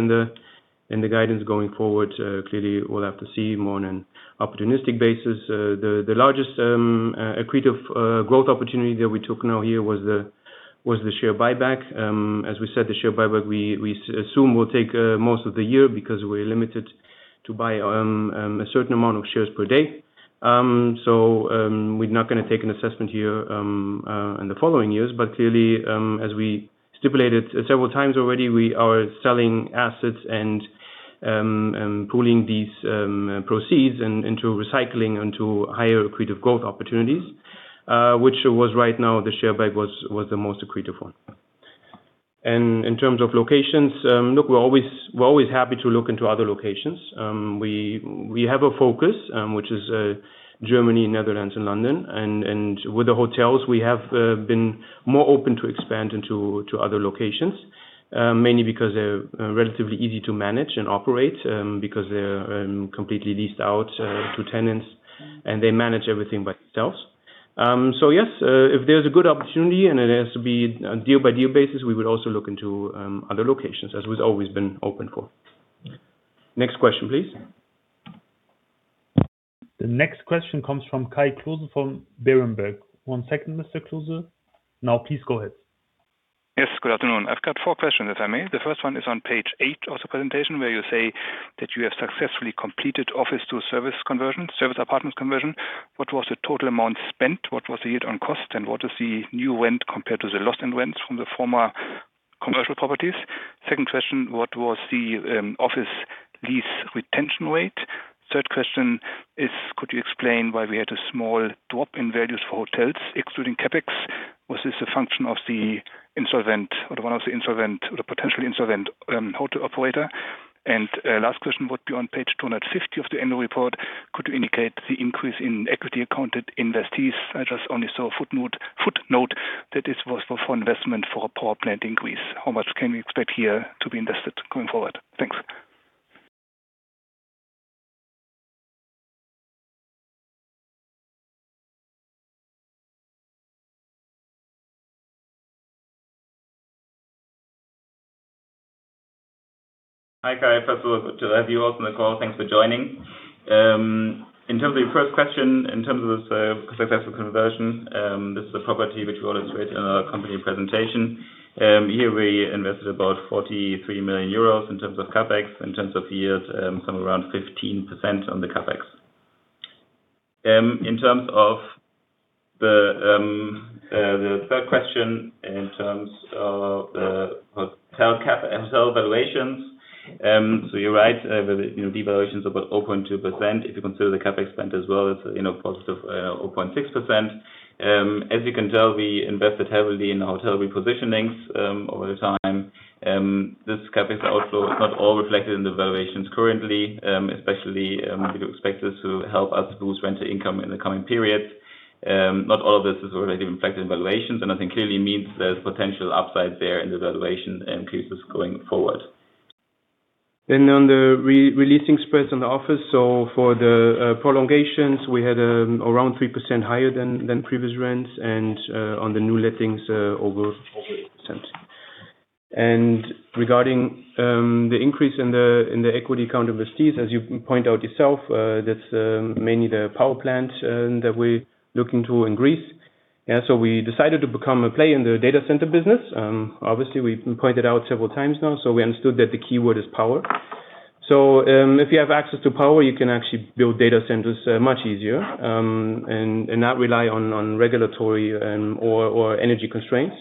in the guidance going forward. Clearly, we'll have to see more on an opportunistic basis. The largest accretive growth opportunity that we took now here was the share buyback. As we said, the share buyback we assume will take most of the year because we're limited to buy a certain amount of shares per day. We're not gonna take an assessment here in the following years. Clearly, as we stipulated several times already, we are selling assets and pooling these proceeds into recycling into higher accretive growth opportunities, which right now the share buyback was the most accretive one. In terms of locations, look, we're always happy to look into other locations. We have a focus, which is Germany, Netherlands, and London. With the hotels, we have been more open to expand into other locations, mainly because they're relatively easy to manage and operate, because they're completely leased out to tenants, and they manage everything by themselves. Yes, if there's a good opportunity, and it has to be a deal by deal basis, we would also look into other locations, as we've always been open for. Next question, please. The next question comes from Kai Klose from Berenberg. One second, Mr. Klose. Now, please go ahead. Yes, good afternoon. I've got four questions, if I may. The first one is on page 8 of the presentation where you say that you have successfully completed office to service conversion, service apartment conversion. What was the total amount spent? What was the hit on cost? What is the new rent compared to the lost in rents from the former commercial properties? Second question, what was the office lease retention rate? Third question is, could you explain why we had a small drop in values for hotels, excluding CapEx? Was this a function of the insolvent or one of the insolvent or the potential insolvent hotel operator? Last question would be on page 250 of the annual report. Could you indicate the increase in equity accounted investees? I just only saw a footnote that was for investment for a power plant increase. How much can we expect here to be invested going forward? Thanks. Hi, Kai. First of all, good to have you also on the call. Thanks for joining. In terms of your first question, in terms of the successful conversion, this is a property which we illustrated in our company presentation. Here we invested about 43 million euros in terms of CapEx, in terms of the years, somewhere around 15% on the CapEx. In terms of the third question in terms of the hotel cap and hotel valuations, you're right. With, you know, devaluations of about 0.2%, if you consider the CapEx spend as well, it's, you know, positive 0.6%. As you can tell, we invested heavily in hotel repositionings over the time. This CapEx is also not all reflected in the valuations currently, especially, if you expect this to help us boost rental income in the coming period. Not all of this is already reflected in valuations, and I think clearly means there's potential upside there in the valuation increases going forward. On the re-leasing spreads on the office. For the prolongations, we had around 3% higher than previous rents and on the new lettings, over 8%. Regarding the increase in the equity account investees, as you point out yourself, that's mainly the power plant that we're looking to in Greece. We decided to become a play in the data center business. Obviously, we pointed out several times now, we understood that the keyword is power. If you have access to power, you can actually build data centers much easier and not rely on regulatory or energy constraints.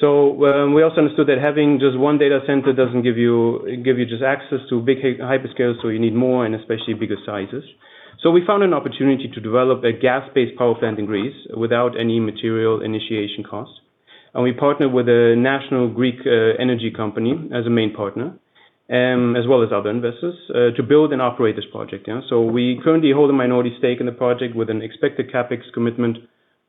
We also understood that having just one data center doesn't give you access to big hyperscale, you need more and especially bigger sizes. We found an opportunity to develop a gas-based power plant in Greece without any material initiation costs. We partnered with a national Greek energy company as a main partner, as well as other investors to build and operate this project. We currently hold a minority stake in the project with an expected CapEx commitment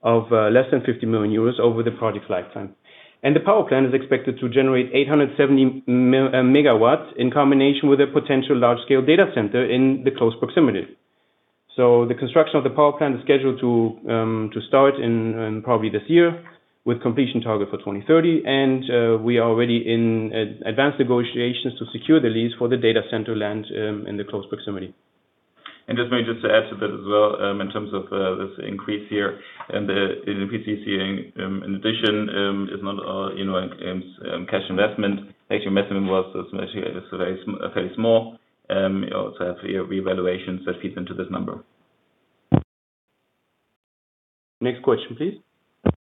of less than 50 million euros over the project lifetime. The power plant is expected to generate 870 megawatts in combination with a potential large-scale data center in the close proximity. The construction of the power plant is scheduled to start in probably this year with completion target for 2030. We are already in advanced negotiations to secure the lease for the data center land in the close proximity. Just maybe just to add to that as well, in terms of, this increase here and the increase we're seeing, in addition, is not, you know, cash investment. Actually, investment was especially at a very small, also have revaluation that feeds into this number. Next question, please.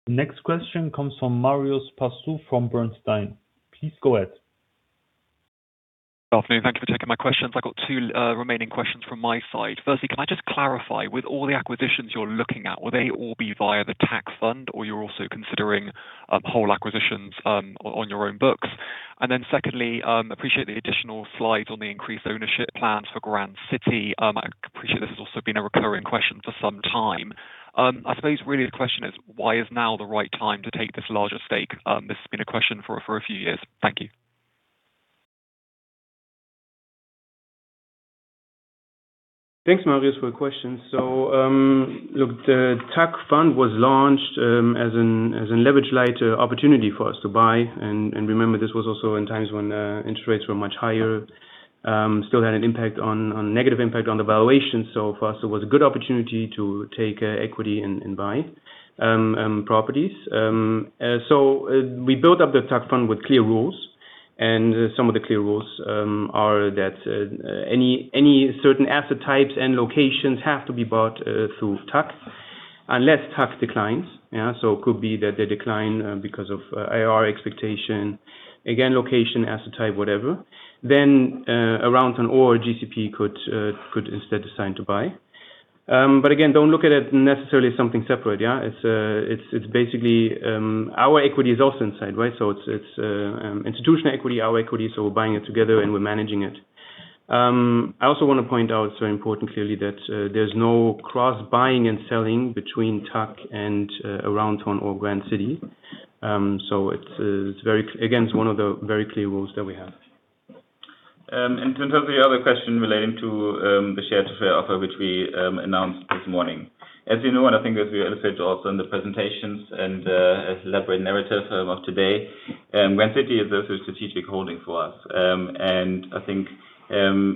Next question comes from Marios Pastou from Bernstein. Please go ahead. Good afternoon. Thank you for taking my questions. I've got two remaining questions from my side. Firstly, can I just clarify, with all the acquisitions you're looking at, will they all be via the TAC fund or you're also considering whole acquisitions on your own books? Secondly, appreciate the additional slides on the increased ownership plans for Grand City. I appreciate this has also been a recurring question for some time. I suppose really the question is, why is now the right time to take this larger stake? This has been a question for a few years. Thank you. Thanks, Marios, for the question. Look, the TAC fund was launched as an leverage light opportunity for us to buy. Remember, this was also in times when interest rates were much higher, still had an impact on negative impact on the valuation. For us, it was a good opportunity to take equity and buy properties. We built up the TAC fund with clear rules, and some of the clear rules are that any certain asset types and locations have to be bought through TAC unless TAC declines. Yeah. It could be that they decline because of IR expectation. Again, location, asset type, whatever. Aroundtown or GCP could instead decide to buy. Again, don't look at it necessarily something separate, yeah. It's basically, our equity is also inside, right? It's institutional equity, our equity, so we're buying it together and we're managing it. I also want to point out, it's very important clearly that there's no cross-buying and selling between TAC and Aroundtown or Grand City. It's very again, it's one of the very clear rules that we have. In terms of the other question relating to the share to fair offer, which we announced this morning. As you know, and I think as we illustrated also in the presentations and as elaborate narrative of today, Grand City is also a strategic holding for us. I think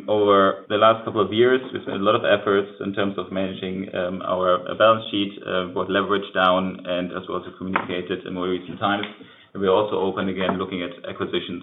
over the last couple of years, we've made a lot of efforts in terms of managing our balance sheet, both leverage down and as we also communicated in more recent times. We're also open again looking at acquisitions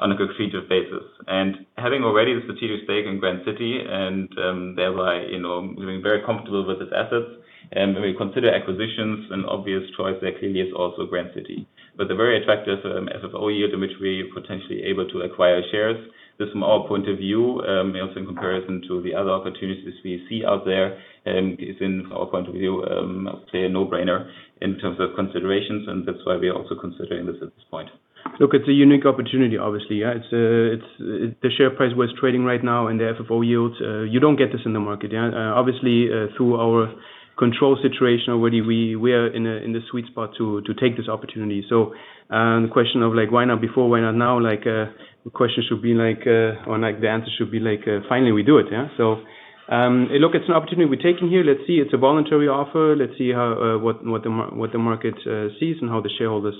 on a creative basis. Having already the strategic stake in Grand City and thereby, you know, we've been very comfortable with its assets. When we consider acquisitions, an obvious choice there clearly is also Grand City. The very attractive FFO yield in which we're potentially able to acquire shares. This from our point of view, also in comparison to the other opportunities we see out there, is in our point of view, a clear no-brainer in terms of considerations, and that's why we are also considering this at this point. Look, it's a unique opportunity, obviously. Yeah. The share price was trading right now and the FFO yields, you don't get this in the market, yeah. Obviously, through our control situation already, we are in a sweet spot to take this opportunity. The question of, like, why not before, why not now? Like, the question should be like, or, like, the answer should be like, finally, we do it. Yeah. Look, it's an opportunity we're taking here. Let's see. It's a voluntary offer. Let's see how what the market sees and how the shareholders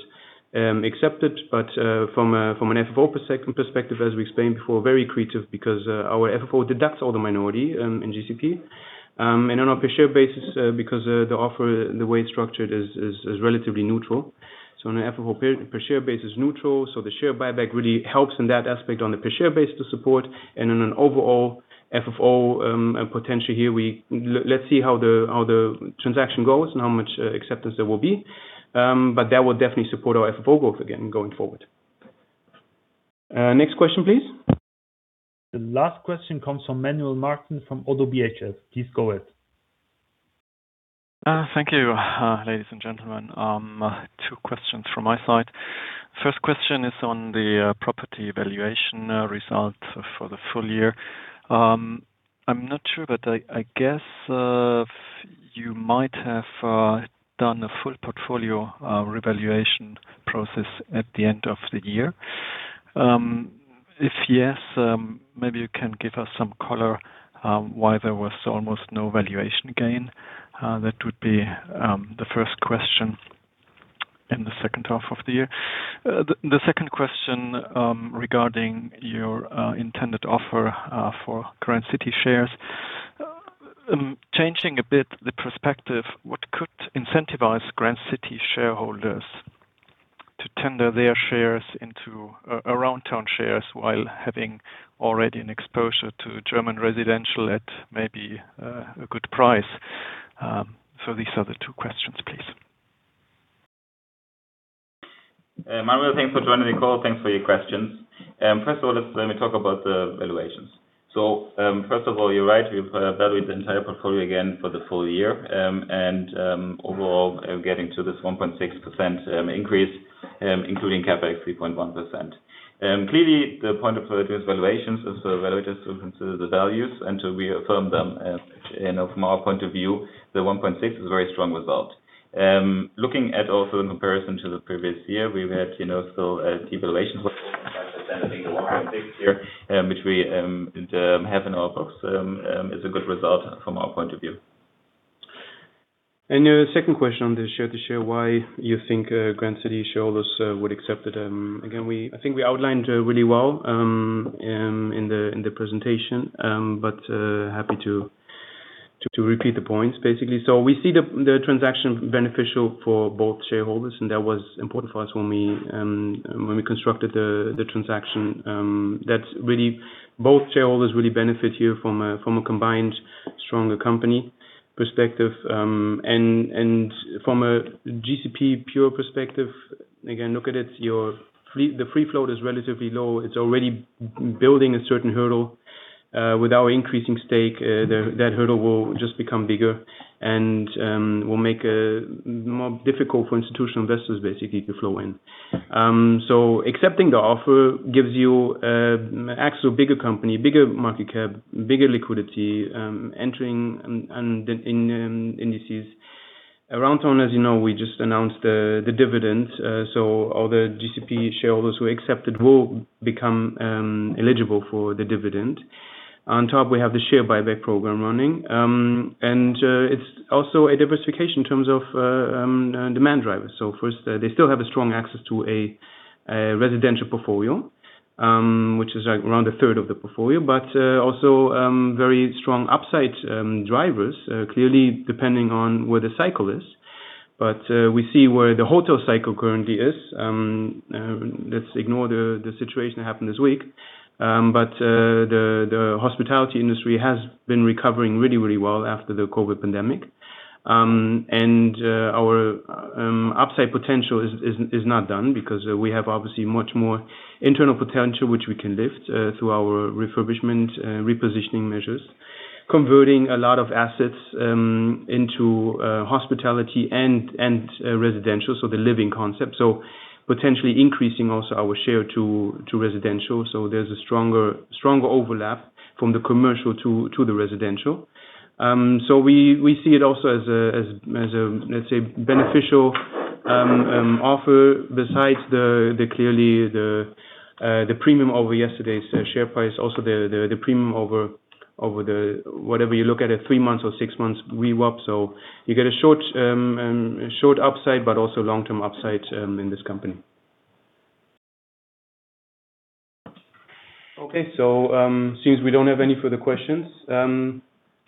accept it. From a FFO perspective, as we explained before, very creative because our FFO deducts all the minority in GCP. On a per share basis, because the offer, the way it's structured is relatively neutral. On an FFO per share basis neutral. The share buyback really helps in that aspect on a per share basis to support. On an overall FFO potential here, let's see how the transaction goes and how much acceptance there will be. That will definitely support our FFO growth again going forward. Next question, please. The last question comes from Manuel Martin from ODDO BHF. Please go ahead. Thank you, ladies and gentlemen. Two questions from my side. First question is on the property valuation result for the full year. I'm not sure, but I guess, you might have done a full portfolio revaluation process at the end of the year. If yes, maybe you can give us some color why there was almost no valuation gain. That would be the first question in the second half of the year. The second question regarding your intended offer for Grand City shares. Changing a bit the perspective, what could incentivize Grand City shareholders to tender their shares into Aroundtown shares while having already an exposure to German residential at maybe a good price? These are the two questions, please. Manuel, thanks for joining the call. Thanks for your questions. First of all, let me talk about the valuations. First of all, you're right, we've valued the entire portfolio again for the full year. Overall, getting to this 1.6% increase, including CapEx 3.1%. Clearly the point of purchase valuations is relative to consider the values until we affirm them. You know, from our point of view, the 1.6% is a very strong result. Looking at also in comparison to the previous year, we've had, you know, still a deep valuation 1.6% here, which we have in our books, is a good result from our point of view. Your second question on the share to share, why you think Grand City shareholders would accept it. Again, I think we outlined really well in the presentation, happy to repeat the points basically. We see the transaction beneficial for both shareholders, that was important for us when we constructed the transaction, that both shareholders really benefit here from a combined stronger company perspective. And from a GCP pure perspective, again, look at it, the free float is relatively low. It's already building a certain hurdle without increasing stake. That hurdle will just become bigger and will make more difficult for institutional investors basically to flow in. Accepting the offer gives you access to a bigger company, bigger market cap, bigger liquidity, entering and in indices. Aroundtown, as you know, we just announced the dividend. All the GCP shareholders who accept it will become eligible for the dividend. On top, we have the share buyback program running. It's also a diversification in terms of demand drivers. First, they still have a strong access to a residential portfolio, which is, like, around a third of the portfolio, but also very strong upside drivers, clearly depending on where the cycle is. We see where the hotel cycle currently is. Let's ignore the situation that happened this week. The hospitality industry has been recovering really, really well after the COVID pandemic. Our upside potential is not done because we have obviously much more internal potential, which we can lift through our refurbishment, repositioning measures, converting a lot of assets into hospitality and residential, so the living concept. Potentially increasing also our share to residential. There's a stronger overlap from the commercial to the residential. We see it also as a, let's say, beneficial offer besides the clearly the premium over yesterday's share price. The premium over whatever you look at it, three months or six months VWAP. You get a short short upside, but also long-term upside in this company. Okay. Since we don't have any further questions,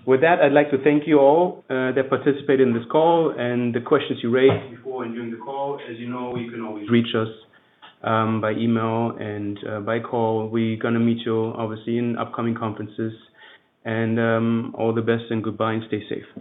with that, I'd like to thank you all that participated in this call and the questions you raised before and during the call. As you know, you can always reach us by email and by call. We're gonna meet you obviously in upcoming conferences. All the best and goodbye and stay safe.